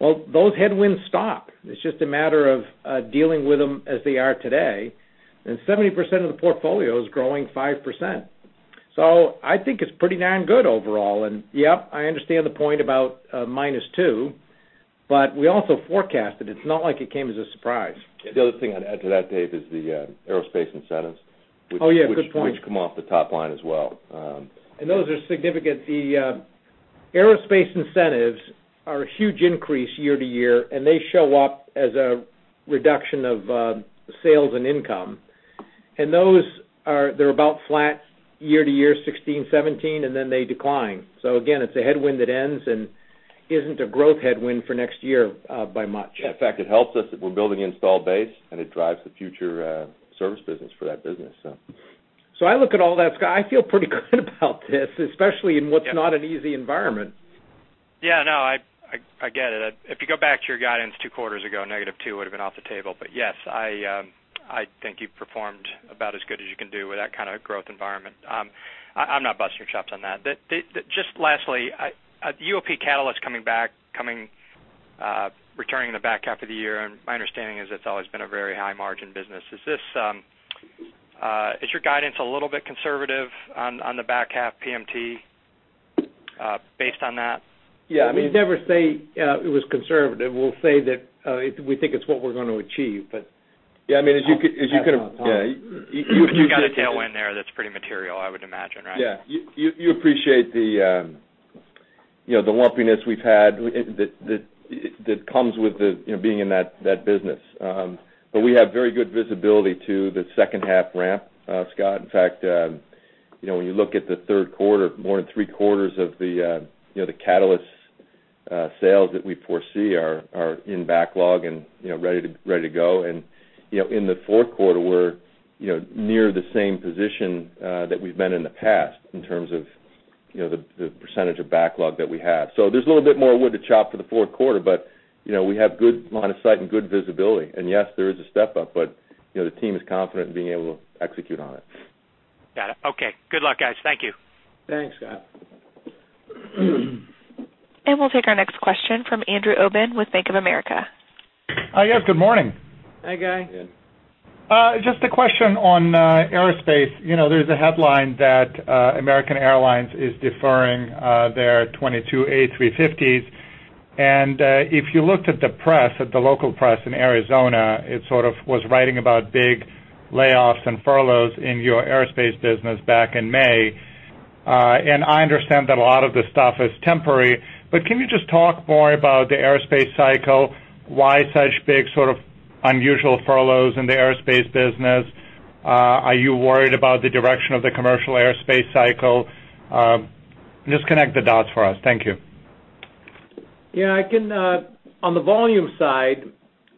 C: Well, those headwinds stop. It's just a matter of dealing with them as they are today. 70% of the portfolio is growing 5%. I think it's pretty darn good overall. Yeah, I understand the point about minus two. We also forecasted. It's not like it came as a surprise.
D: The other thing I'd add to that, Dave, is the aerospace incentives-
C: Oh, yeah. Good point.
D: which come off the top line as well.
C: Those are significant. The aerospace incentives are a huge increase year-to-year, and they show up as a reduction of sales and income. Those are about flat year-to-year 2016, 2017, then they decline. Again, it's a headwind that ends and isn't a growth headwind for next year, by much.
D: Yeah. In fact, it helps us if we're building the install base, and it drives the future service business for that business.
C: I look at all that, Scott. I feel pretty good about this, especially in what's not an easy environment.
E: Yeah, no, I get it. If you go back to your guidance two quarters ago, negative two would've been off the table. Yes, I think you've performed about as good as you can do with that kind of growth environment. I'm not busting chops on that. Just lastly, UOP Catalysts coming back, returning in the back half of the year, and my understanding is it's always been a very high margin business. Is your guidance a little bit conservative on the back half, PMT, based on that?
C: Yeah. We'd never say it was conservative. We'll say that we think it's what we're going to achieve.
D: Yeah.
C: Pass on time.
D: Yeah.
E: You've got a tailwind there that's pretty material, I would imagine, right?
D: Yeah. You appreciate the lumpiness we've had that comes with being in that business. We have very good visibility to the second half ramp, Scott. In fact, when you look at the third quarter, more than three-quarters of the catalyst sales that we foresee are in backlog and ready to go. In the fourth quarter, we're near the same position that we've been in the past, in terms of the % of backlog that we have. There's a little bit more wood to chop for the fourth quarter, but we have good line of sight and good visibility. Yes, there is a step-up, but the team is confident in being able to execute on it.
E: Got it. Okay. Good luck, guys. Thank you.
C: Thanks, Scott.
A: We'll take our next question from Andrew Obin with Bank of America.
F: Yes, good morning.
C: Hi, guy.
D: Yeah.
F: Just a question on aerospace. There's a headline that American Airlines is deferring their 22 A350s. If you looked at the press, at the local press in Arizona, it sort of was writing about big layoffs and furloughs in your aerospace business back in May. I understand that a lot of this stuff is temporary, can you just talk more about the aerospace cycle, why such big, sort of unusual furloughs in the aerospace business? Are you worried about the direction of the commercial aerospace cycle? Just connect the dots for us. Thank you.
C: Yeah, I can. On the volume side,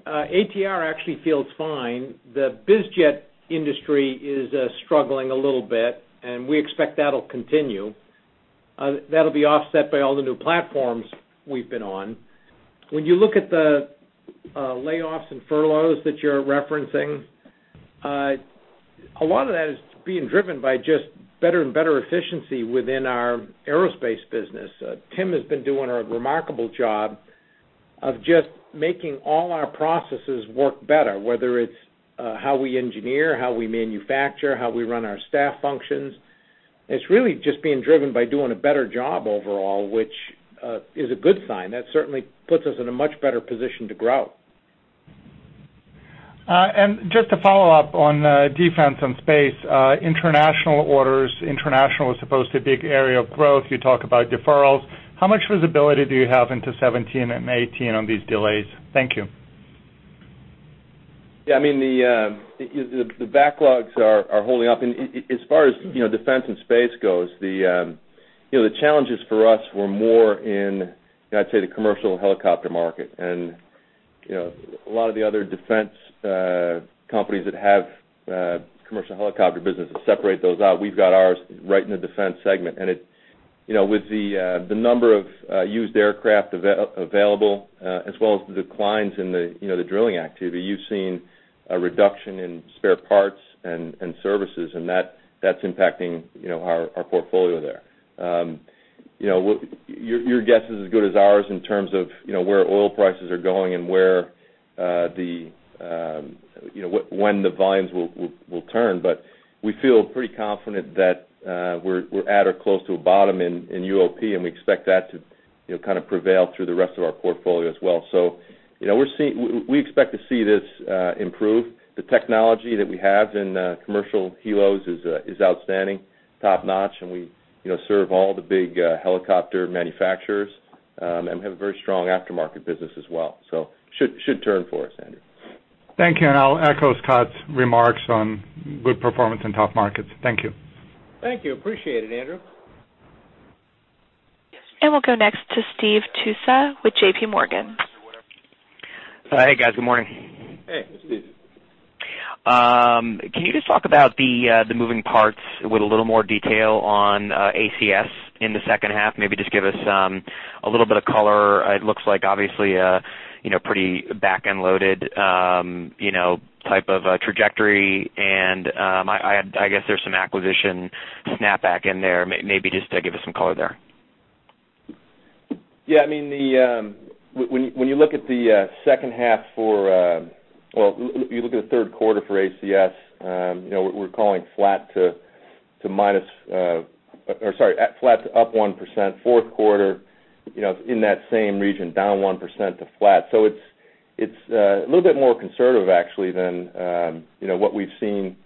C: AT&R actually feels fine. The biz jet industry is struggling a little bit, and we expect that'll continue. That'll be offset by all the new platforms we've been on. When you look at the layoffs and furloughs that you're referencing, a lot of that is being driven by just better and better efficiency within our aerospace business. Tim has been doing a remarkable job of just making all our processes work better, whether it's how we engineer, how we manufacture, how we run our staff functions. It's really just being driven by doing a better job overall, which is a good sign. That certainly puts us in a much better position to grow.
F: Just to follow up on defense and space, international orders, international was supposed to be a big area of growth. You talk about deferrals. How much visibility do you have into 2017 and 2018 on these delays? Thank you.
D: Yeah. The backlogs are holding up. As far as defense and space goes, the challenges for us were more in, I'd say, the commercial helicopter market. A lot of the other defense companies that have commercial helicopter businesses separate those out. We've got ours right in the defense segment. With the number of used aircraft available, as well as the declines in the drilling activity, you've seen a reduction in spare parts and services, and that's impacting our portfolio there. Your guess is as good as ours in terms of where oil prices are going and when the volumes will turn. We feel pretty confident that we're at or close to a bottom in Honeywell UOP, and we expect that to kind of prevail through the rest of our portfolio as well. We expect to see this improve. The technology that we have in commercial helos is outstanding, top-notch, and we serve all the big helicopter manufacturers. We have a very strong aftermarket business as well. Should turn for us, Andrew.
F: Thank you. I'll echo Scott's remarks on good performance in tough markets. Thank you.
C: Thank you. Appreciate it, Andrew.
A: We'll go next to Steve Tusa with JPMorgan.
G: Hi, guys. Good morning.
C: Hey, Steve.
G: Can you just talk about the moving parts with a little more detail on ACS in the second half? Maybe just give us a little bit of color. It looks like obviously a pretty back-end loaded type of trajectory, and I guess there's some acquisition snapback in there. Maybe just give us some color there.
D: Yeah. When you look at the third quarter for ACS, we're calling flat to up 1%, fourth quarter in that same region, down 1% to flat. It's a little bit more conservative, actually, than what we've seen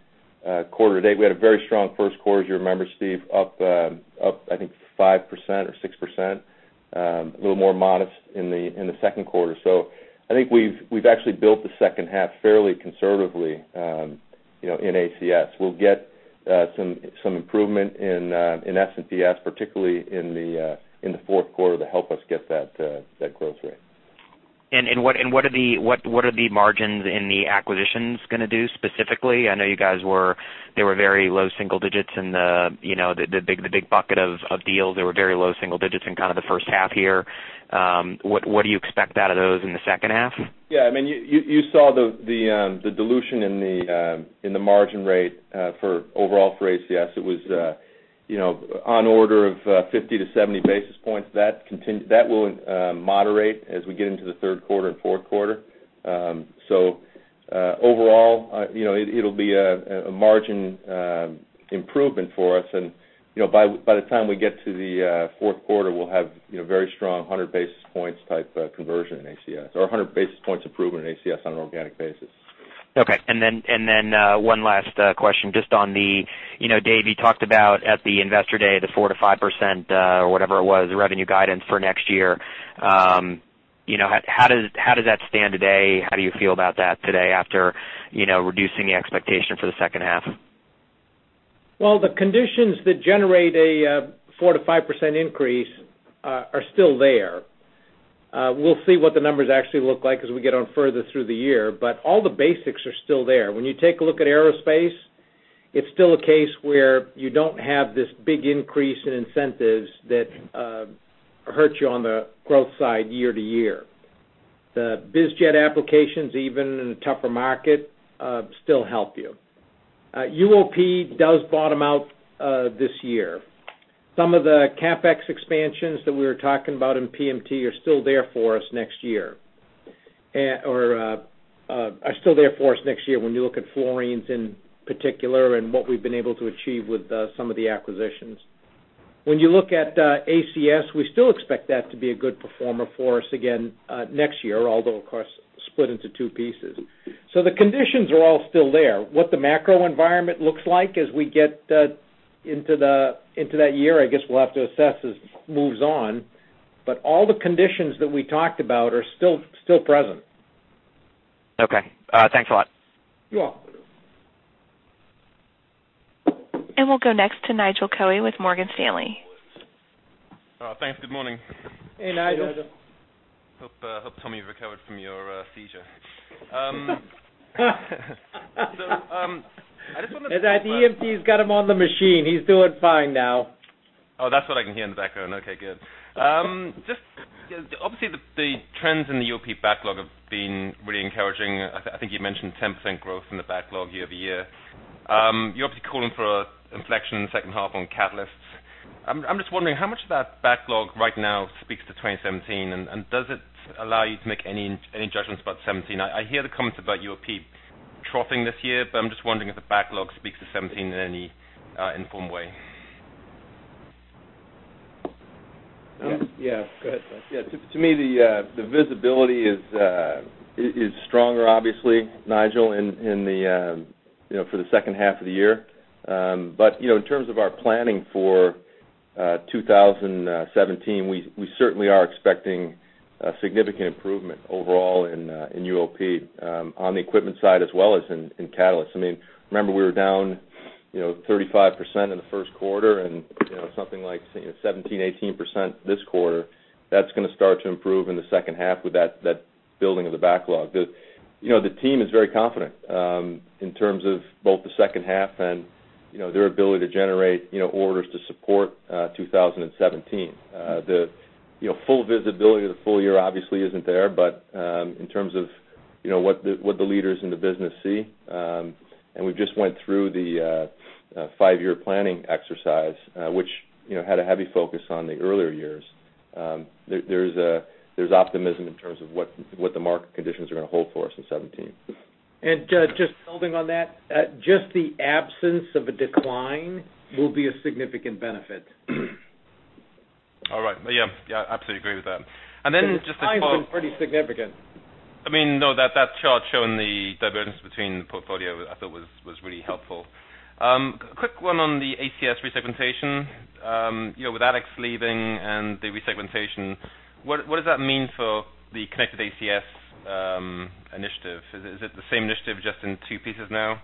D: quarter to date. We had a very strong first quarter, as you remember, Steve, up I think 5% or 6%. A little more modest in the second quarter. I think we've actually built the second half fairly conservatively in ACS. We'll get some improvement in S&PS, particularly in the fourth quarter to help us get that growth rate.
G: What are the margins in the acquisitions going to do specifically? I know they were very low single digits in the big bucket of deals. They were very low single digits in kind of the first half here. What do you expect out of those in the second half?
D: Yeah. You saw the dilution in the margin rate overall for ACS. It was on order of 50 to 70 basis points. That will moderate as we get into the third quarter and fourth quarter. Overall, it'll be a margin improvement for us, and by the time we get to the fourth quarter, we'll have very strong 100 basis points type conversion in ACS, or 100 basis points improvement in ACS on an organic basis.
G: Okay, then one last question, just on the, Dave, you talked about at the investor day, the 4% to 5%, or whatever it was, revenue guidance for next year. How does that stand today? How do you feel about that today after reducing the expectation for the second half?
C: The conditions that generate a 4%-5% increase are still there. We'll see what the numbers actually look like as we get on further through the year. All the basics are still there. When you take a look at Aerospace, it's still a case where you don't have this big increase in incentives that hurt you on the growth side year-to-year. The biz jet applications, even in a tougher market, still help you. UOP does bottom out this year. Some of the CapEx expansions that we were talking about in PMT are still there for us next year when you look at fluorines in particular and what we've been able to achieve with some of the acquisitions. When you look at ACS, we still expect that to be a good performer for us again next year, although, of course, split into two pieces. The conditions are all still there. What the macro environment looks like as we get into that year, I guess we'll have to assess as it moves on. All the conditions that we talked about are still present.
G: Okay. Thanks a lot.
C: You're welcome.
A: We'll go next to Nigel Coe with Morgan Stanley.
H: Thanks. Good morning.
C: Hey, Nigel.
H: Hope Tommy recovered from your seizure.
C: The EMTs got him on the machine. He's doing fine now.
H: Oh, that's what I can hear in the background. Okay, good. Obviously, the trends in the UOP backlog have been really encouraging. I think you mentioned 10% growth in the backlog year-over-year. You're obviously calling for an inflection in the second half on Catalysts. I'm just wondering how much of that backlog right now speaks to 2017, and does it allow you to make any judgments about 2017? I hear the comments about UOP troughing this year, but I'm just wondering if the backlog speaks to 2017 in any informed way.
C: Yeah. Go ahead, Scott.
D: Yeah. To me, the visibility is stronger, obviously, Nigel, for the second half of the year. In terms of our planning for 2017, we certainly are expecting a significant improvement overall in UOP, on the equipment side as well as in Catalysts. Remember we were down 35% in the first quarter, and something like 17%, 18% this quarter. That's going to start to improve in the second half with that building of the backlog. The team is very confident in terms of both the second half and their ability to generate orders to support 2017. The full visibility of the full year obviously isn't there, but in terms of what the leaders in the business see, we just went through the five-year planning exercise, which had a heavy focus on the earlier years. There's optimism in terms of what the market conditions are going to hold for us in 2017.
C: Just building on that, just the absence of a decline will be a significant benefit.
H: All right. Yeah. Absolutely agree with that. Just to follow up.
C: The decline's been pretty significant.
H: No, that chart showing the divergence between the portfolio, I thought was really helpful. Quick one on the ACS resegmentation. With Alex leaving and the resegmentation, what does that mean for the connected ACS initiative? Is it the same initiative, just in two pieces now?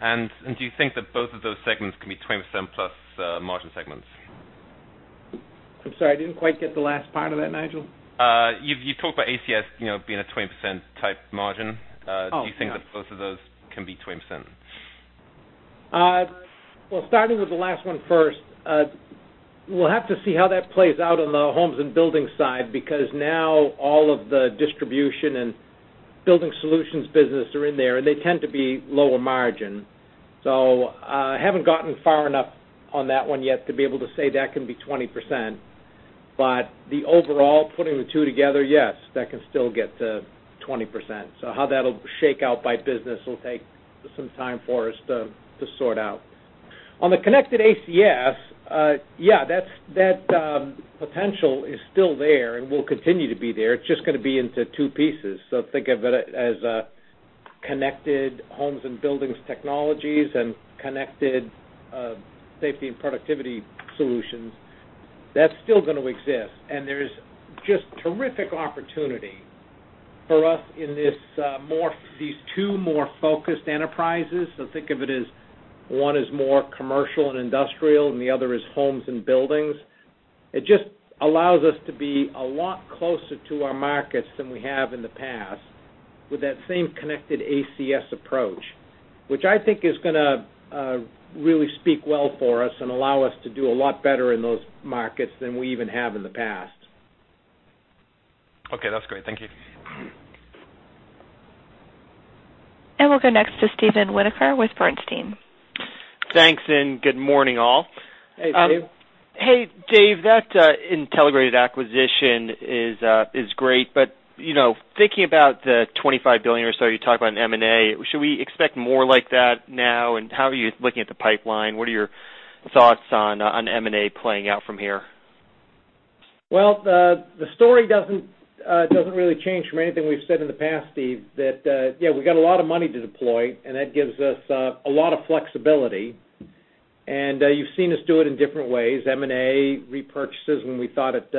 H: Do you think that both of those segments can be 20% plus margin segments?
C: I'm sorry, I didn't quite get the last part of that, Nigel.
H: You've talked about ACS being a 20% type margin.
C: Oh, yeah.
H: Do you think that both of those can be 20%?
C: Starting with the last one first, we'll have to see how that plays out on the homes and buildings side, because now all of the distribution and building solutions business are in there, and they tend to be lower margin. I haven't gotten far enough on that one yet to be able to say that can be 20%. The overall, putting the two together, yes, that can still get to 20%. How that'll shake out by business will take some time for us to sort out. On the connected ACS, yeah, that potential is still there and will continue to be there. It's just going to be into two pieces. Think of it as a connected homes and buildings technologies and connected safety and productivity solutions. That's still going to exist, and there's just terrific opportunity for us in these two more focused enterprises. Think of it as one is more commercial and industrial, and the other is homes and buildings. It just allows us to be a lot closer to our markets than we have in the past with that same connected ACS approach, which I think is going to really speak well for us and allow us to do a lot better in those markets than we even have in the past.
H: Okay. That's great. Thank you.
A: We'll go next to Steven Winoker with Bernstein.
I: Thanks, good morning, all.
C: Hey, Steve.
I: Hey, Dave. That Intelligrated acquisition is great, thinking about the $25 billion or so you talk about in M&A, should we expect more like that now? How are you looking at the pipeline? What are your thoughts on M&A playing out from here?
C: Well, the story doesn't really change from anything we've said in the past, Steve, that we've got a lot of money to deploy. That gives us a lot of flexibility. You've seen us do it in different ways, M&A, repurchases when we thought it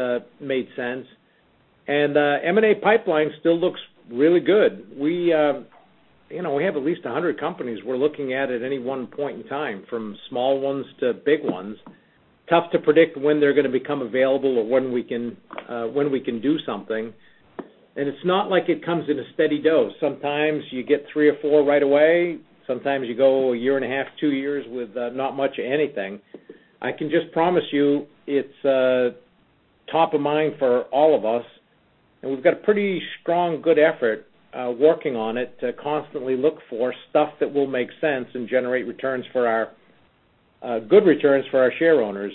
C: made sense. M&A pipeline still looks really good. We have at least 100 companies we're looking at at any one point in time, from small ones to big ones. Tough to predict when they're going to become available or when we can do something. It's not like it comes in a steady dose. Sometimes you get three or four right away. Sometimes you go a year and a half, two years with not much of anything. I can just promise you it's top of mind for all of us. We've got a pretty strong, good effort working on it to constantly look for stuff that will make sense and generate good returns for our shareowners.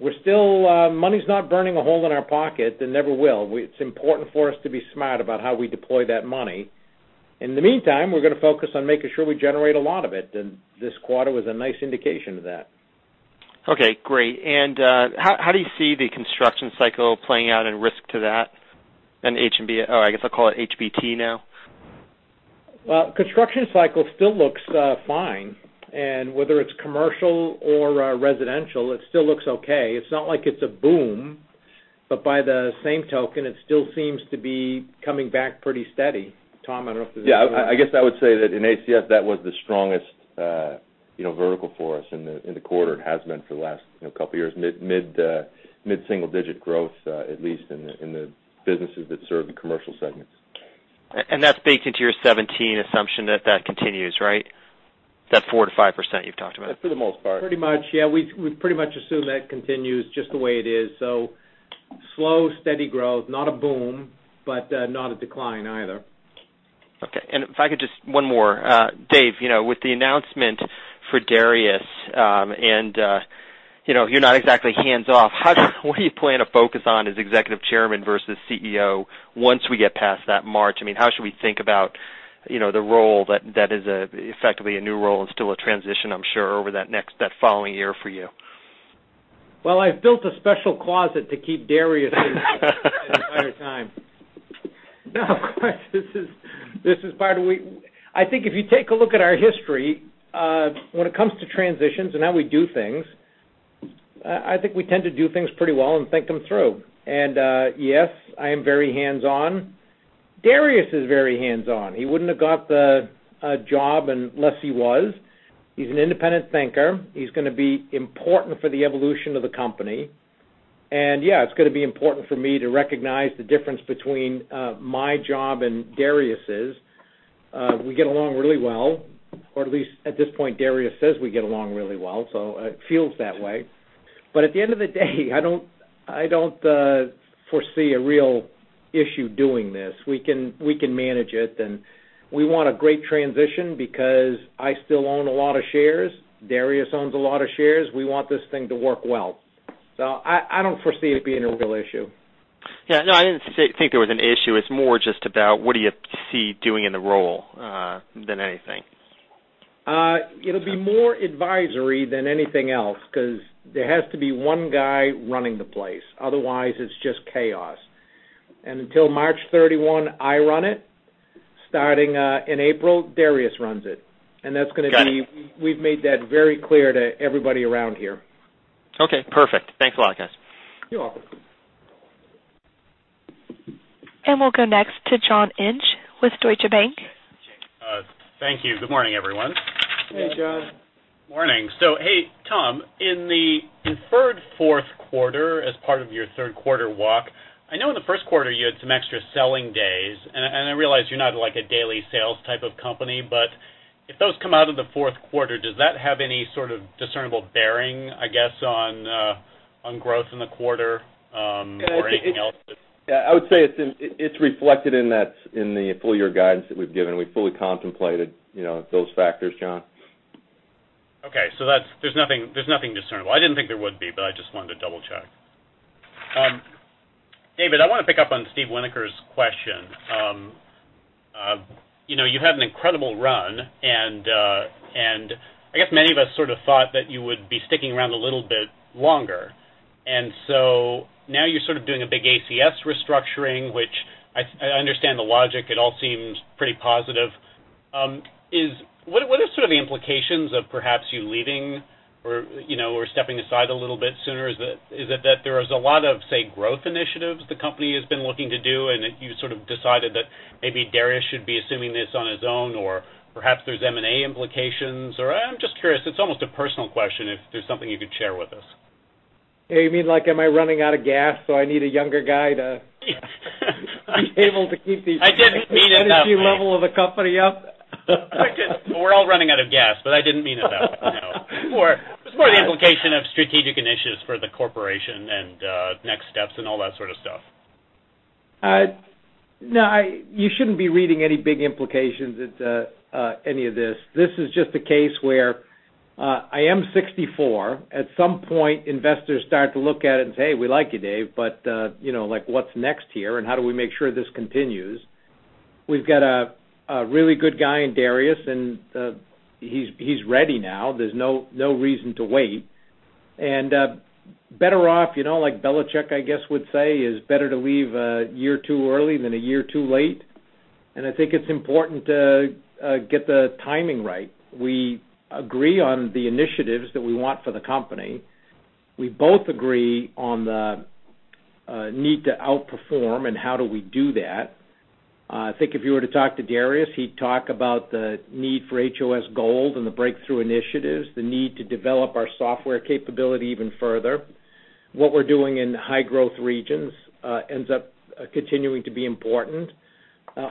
C: Money's not burning a hole in our pocket and never will. It's important for us to be smart about how we deploy that money. In the meantime, we're going to focus on making sure we generate a lot of it. This quarter was a nice indication of that.
I: Okay, great. How do you see the construction cycle playing out and risk to that and HBT? I guess I'll call it HBT now.
C: Construction cycle still looks fine. Whether it's commercial or residential, it still looks okay. It's not like it's a boom. By the same token, it still seems to be coming back pretty steady. Tom, I don't know if there's.
D: Yeah, I guess I would say that in ACS, that was the strongest vertical for us in the quarter. It has been for the last couple of years, mid-single digit growth, at least in the businesses that serve the commercial segments.
I: That's baked into your 2017 assumption that that continues, right? That 4%-5% you've talked about.
D: For the most part.
C: Pretty much, yeah. We pretty much assume that continues just the way it is. Slow, steady growth. Not a boom, not a decline either.
I: Okay. If I could just, one more. Dave, with the announcement for Darius, and you're not exactly hands-off, what do you plan to focus on as Executive Chairman versus CEO once we get past that March? How should we think about the role that is effectively a new role and still a transition, I'm sure, over that following year for you?
C: Well, I've built a special closet to keep Darius in the entire time. No, of course, I think if you take a look at our history, when it comes to transitions and how we do things, I think we tend to do things pretty well and think them through. Yes, I am very hands-on. Darius is very hands-on. He wouldn't have got the job unless he was. He's an independent thinker. He's going to be important for the evolution of the company. Yeah, it's going to be important for me to recognize the difference between my job and Darius's. We get along really well, or at least at this point, Darius says we get along really well, so it feels that way. At the end of the day, I don't foresee a real issue doing this. We can manage it, and we want a great transition because I still own a lot of shares. Darius owns a lot of shares. We want this thing to work well. I don't foresee it being a real issue.
I: Yeah, no, I didn't think there was an issue. It's more just about what do you see doing in the role than anything.
C: It'll be more advisory than anything else, because there has to be one guy running the place. Otherwise, it's just chaos. Until March 31, I run it. Starting in April, Darius runs it.
D: Got it.
C: We've made that very clear to everybody around here.
I: Okay, perfect. Thanks a lot, guys.
C: You're welcome.
A: We'll go next to John Inch with Deutsche Bank.
J: Thank you. Good morning, everyone.
C: Hey, John.
J: Morning. Hey, Tom, in the deferred fourth quarter as part of your third quarter walk, I know in the first quarter you had some extra selling days, and I realize you're not like a daily sales type of company, but if those come out of the fourth quarter, does that have any sort of discernible bearing, I guess, on growth in the quarter or anything else that.
D: I would say it's reflected in the full year guidance that we've given. We fully contemplated those factors, John.
J: Okay. There's nothing discernible. I didn't think there would be, but I just wanted to double-check. David, I want to pick up on Steven Winoker's question. You've had an incredible run, and I guess many of us sort of thought that you would be sticking around a little bit longer. Now you're sort of doing a big ACS restructuring, which I understand the logic. It all seems pretty positive. What are sort of the implications of perhaps you leaving or stepping aside a little bit sooner? Is it that there is a lot of, say, growth initiatives the company has been looking to do and that you sort of decided that maybe Darius should be assuming this on his own? Perhaps there's M&A implications? I'm just curious, it's almost a personal question, if there's something you could share with us.
C: You mean like, am I running out of gas, I need a younger guy to be able to keep the.
J: I didn't mean it that way
C: energy level of the company up?
J: We're all running out of gas, I didn't mean it that way. No. It was more the implication of strategic initiatives for the corporation and next steps and all that sort of stuff.
C: No, you shouldn't be reading any big implications into any of this. This is just a case where I am 64. At some point, investors start to look at it and say, "We like you, Dave, but what's next here, and how do we make sure this continues?" We've got a really good guy in Darius, and he's ready now. There's no reason to wait. Better off, like Belichick, I guess, would say, "It's better to leave a year too early than a year too late." I think it's important to get the timing right. We agree on the initiatives that we want for the company. We both agree on the need to outperform and how do we do that. I think if you were to talk to Darius, he'd talk about the need for HOS Gold and the breakthrough initiatives, the need to develop our software capability even further. What we're doing in high growth regions ends up continuing to be important.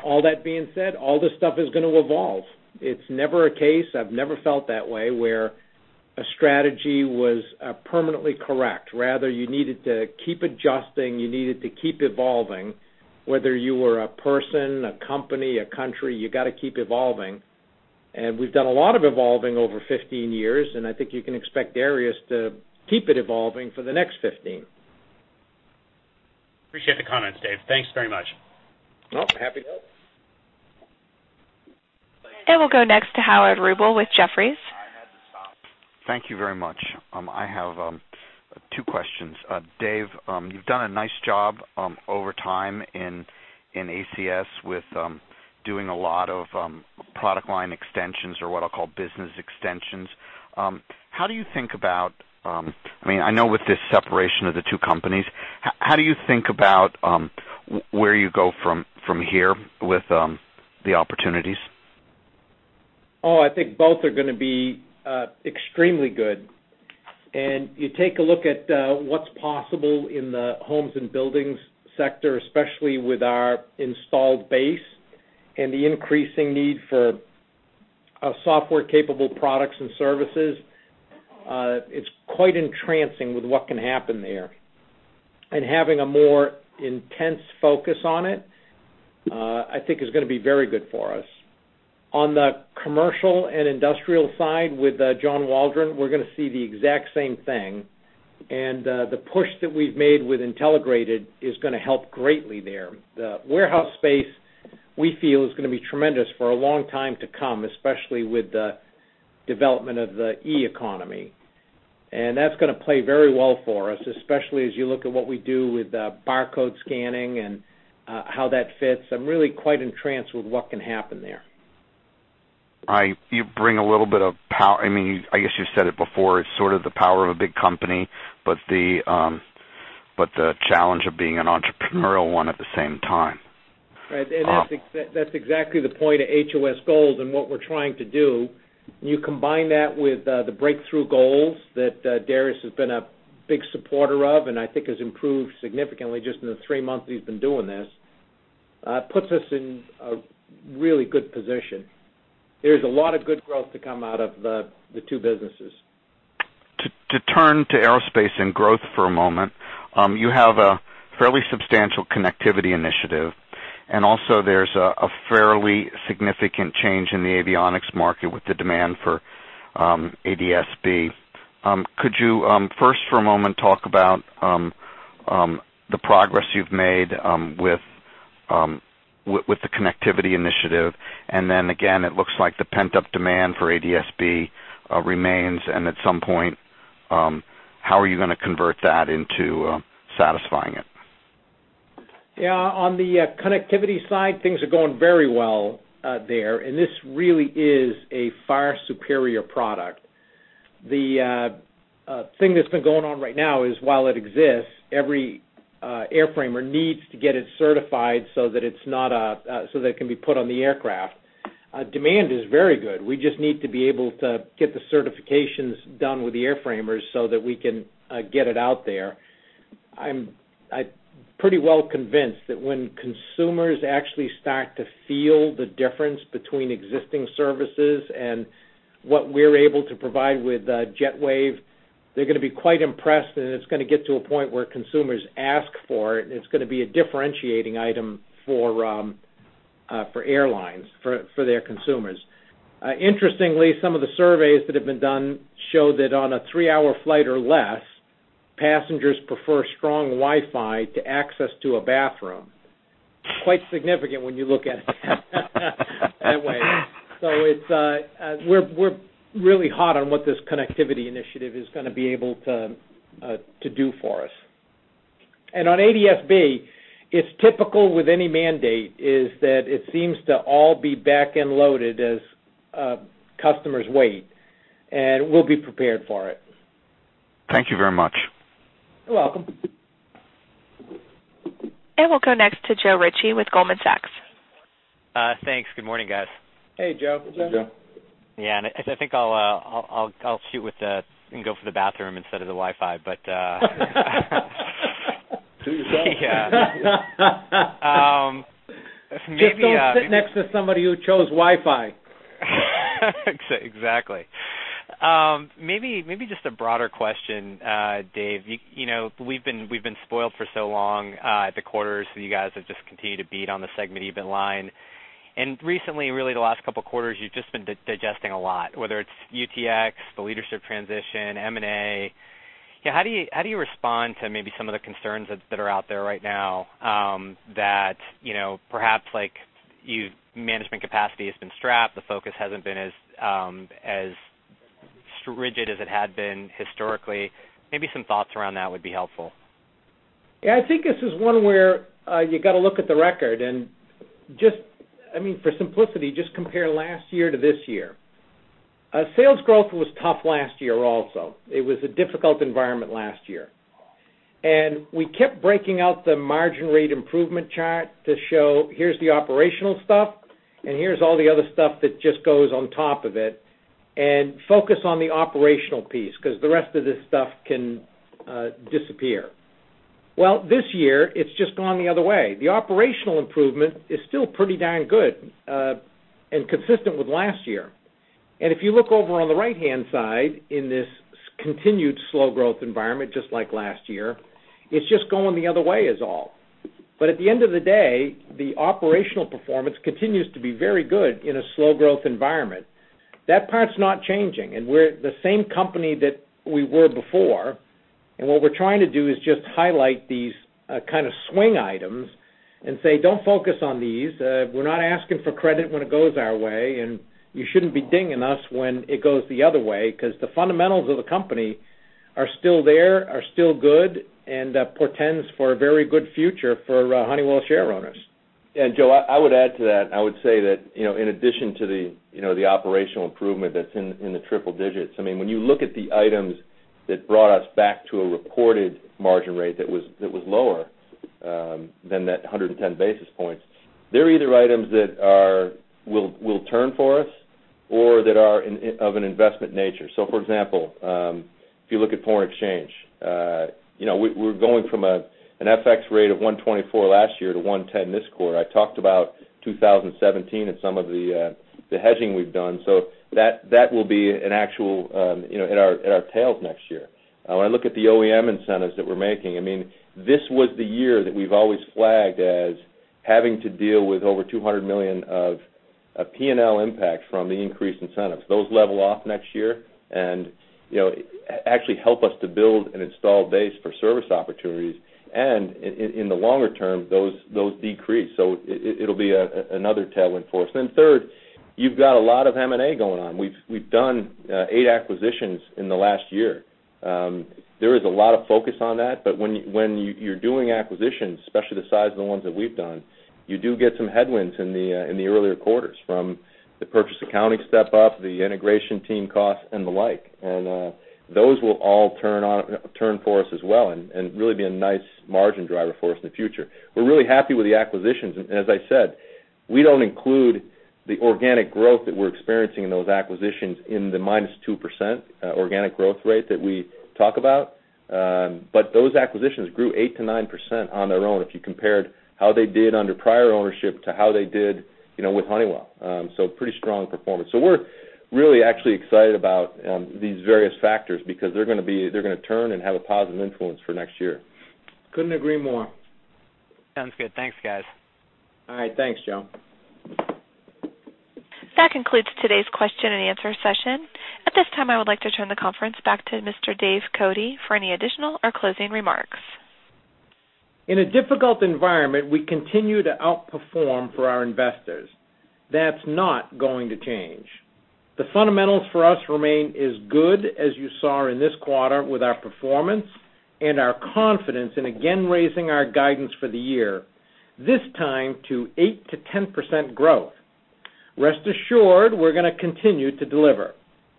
C: All that being said, all this stuff is going to evolve. It's never a case, I've never felt that way, where a strategy was permanently correct. Rather, you needed to keep adjusting, you needed to keep evolving. Whether you were a person, a company, a country, you got to keep evolving. We've done a lot of evolving over 15 years, and I think you can expect Darius to keep it evolving for the next 15.
J: Appreciate the comments, Dave. Thanks very much.
C: Happy to help.
A: We'll go next to Howard Rubel with Jefferies.
K: Thank you very much. I have two questions. Dave, you've done a nice job over time in ACS with doing a lot of product line extensions or what I'll call business extensions. I know with this separation of the two companies, how do you think about where you go from here with the opportunities?
C: I think both are going to be extremely good. You take a look at what's possible in the homes and buildings sector, especially with our installed base and the increasing need for software capable products and services. It's quite entrancing with what can happen there. Having a more intense focus on it, I think, is going to be very good for us. On the commercial and industrial side with John Waldron, we're going to see the exact same thing. The push that we've made with Intelligrated is going to help greatly there. The warehouse space, we feel, is going to be tremendous for a long time to come, especially with the development of the e-economy. That's going to play very well for us, especially as you look at what we do with barcode scanning and how that fits. I'm really quite entranced with what can happen there.
K: You bring a little bit of power. I guess you said it before, it's sort of the power of a big company, but the challenge of being an entrepreneurial one at the same time.
C: Right. That's exactly the point of HOS Gold and what we're trying to do. You combine that with the breakthrough goals that Darius has been a big supporter of, and I think has improved significantly just in the three months that he's been doing this, puts us in a really good position. There's a lot of good growth to come out of the two businesses.
K: To turn to aerospace and growth for a moment, you have a fairly substantial connectivity initiative, also there's a fairly significant change in the avionics market with the demand for ADS-B. Could you first, for a moment, talk about the progress you've made with the connectivity initiative, then again, it looks like the pent-up demand for ADS-B remains, and at some point, how are you going to convert that into satisfying it?
C: Yeah, on the connectivity side, things are going very well there, this really is a far superior product. The thing that's been going on right now is while it exists, every airframer needs to get it certified so that it can be put on the aircraft. Demand is very good. We just need to be able to get the certifications done with the airframers so that we can get it out there. I'm pretty well convinced that when consumers actually start to feel the difference between existing services and what we're able to provide with JetWave, they're going to be quite impressed, it's going to get to a point where consumers ask for it's going to be a differentiating item for airlines, for their consumers. Interestingly, some of the surveys that have been done show that on a three-hour flight or less, passengers prefer strong Wi-Fi to access to a bathroom. Quite significant when you look at it that way. We're really hot on what this connectivity initiative is going to be able to do for us. On ADS-B, it's typical with any mandate is that it seems to all be back-end loaded as customers wait, and we'll be prepared for it.
K: Thank you very much.
C: You're welcome.
A: We'll go next to Joe Ritchie with Goldman Sachs.
L: Thanks. Good morning, guys.
C: Hey, Joe.
D: Hey, Joe.
L: Yeah, I think I'll shoot with the, and go for the bathroom instead of the Wi-Fi.
C: Suit yourself.
L: Yeah.
C: Just don't sit next to somebody who chose Wi-Fi.
L: Exactly. Maybe just a broader question, Dave. We've been spoiled for so long. The quarters that you guys have just continued to beat on the segment EBIT line. Recently, really the last couple of quarters, you've just been digesting a lot, whether it's UTX, the leadership transition, M&A. How do you respond to maybe some of the concerns that are out there right now, that perhaps management capacity has been strapped, the focus hasn't been as rigid as it had been historically? Maybe some thoughts around that would be helpful.
C: Yeah, I think this is one where you got to look at the record, and for simplicity, just compare last year to this year. Sales growth was tough last year also. It was a difficult environment last year. We kept breaking out the margin rate improvement chart to show here is the operational stuff, and here is all the other stuff that just goes on top of it. Focus on the operational piece because the rest of this stuff can disappear. Well, this year, it's just gone the other way. The operational improvement is still pretty darn good, and consistent with last year. If you look over on the right-hand side in this continued slow growth environment, just like last year, it's just going the other way is all. At the end of the day, the operational performance continues to be very good in a slow growth environment. That part's not changing. We're the same company that we were before, what we're trying to do is just highlight these kind of swing items and say, "Don't focus on these. We're not asking for credit when it goes our way, and you shouldn't be dinging us when it goes the other way," because the fundamentals of the company are still there, are still good, and portends for a very good future for Honeywell share owners.
D: Joe, I would add to that. I would say that in addition to the operational improvement that's in the triple digits, when you look at the items that brought us back to a reported margin rate that was lower than that 110 basis points, they're either items that will turn for us or that are of an investment nature. For example, if you look at foreign exchange, we're going from an FX rate of 124 last year to 110 this quarter. I talked about 2017 and some of the hedging we've done, that will be an actual in our tails next year. When I look at the OEM incentives that we're making, this was the year that we've always flagged as having to deal with over $200 million of P&L impact from the increased incentives. Those level off next year actually help us to build an installed base for service opportunities, in the longer term, those decrease. It'll be another tailwind for us. Third, you've got a lot of M&A going on. We've done eight acquisitions in the last year. There is a lot of focus on that, when you're doing acquisitions, especially the size of the ones that we've done, you do get some headwinds in the earlier quarters from the purchase accounting step-up, the integration team costs, and the like. Those will all turn for us as well and really be a nice margin driver for us in the future. We're really happy with the acquisitions, as I said, we don't include the organic growth that we're experiencing in those acquisitions in the minus 2% organic growth rate that we talk about. Acquisitions grew 8% to 9% on their own if you compared how they did under prior ownership to how they did with Honeywell. Pretty strong performance. We're really actually excited about these various factors because they're going to turn and have a positive influence for next year.
C: Couldn't agree more.
L: Sounds good. Thanks, guys.
C: All right. Thanks, Joe.
A: That concludes today's question and answer session. At this time, I would like to turn the conference back to Mr. Dave Cote for any additional or closing remarks.
C: In a difficult environment, we continue to outperform for our investors. That's not going to change. The fundamentals for us remain as good as you saw in this quarter with our performance and our confidence in again raising our guidance for the year, this time to 8%-10% growth. Rest assured, we're going to continue to deliver,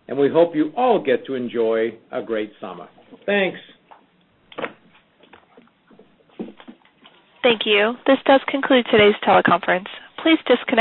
C: and we hope you all get to enjoy a great summer. Thanks.
A: Thank you. This does conclude today's teleconference. Please disconnect.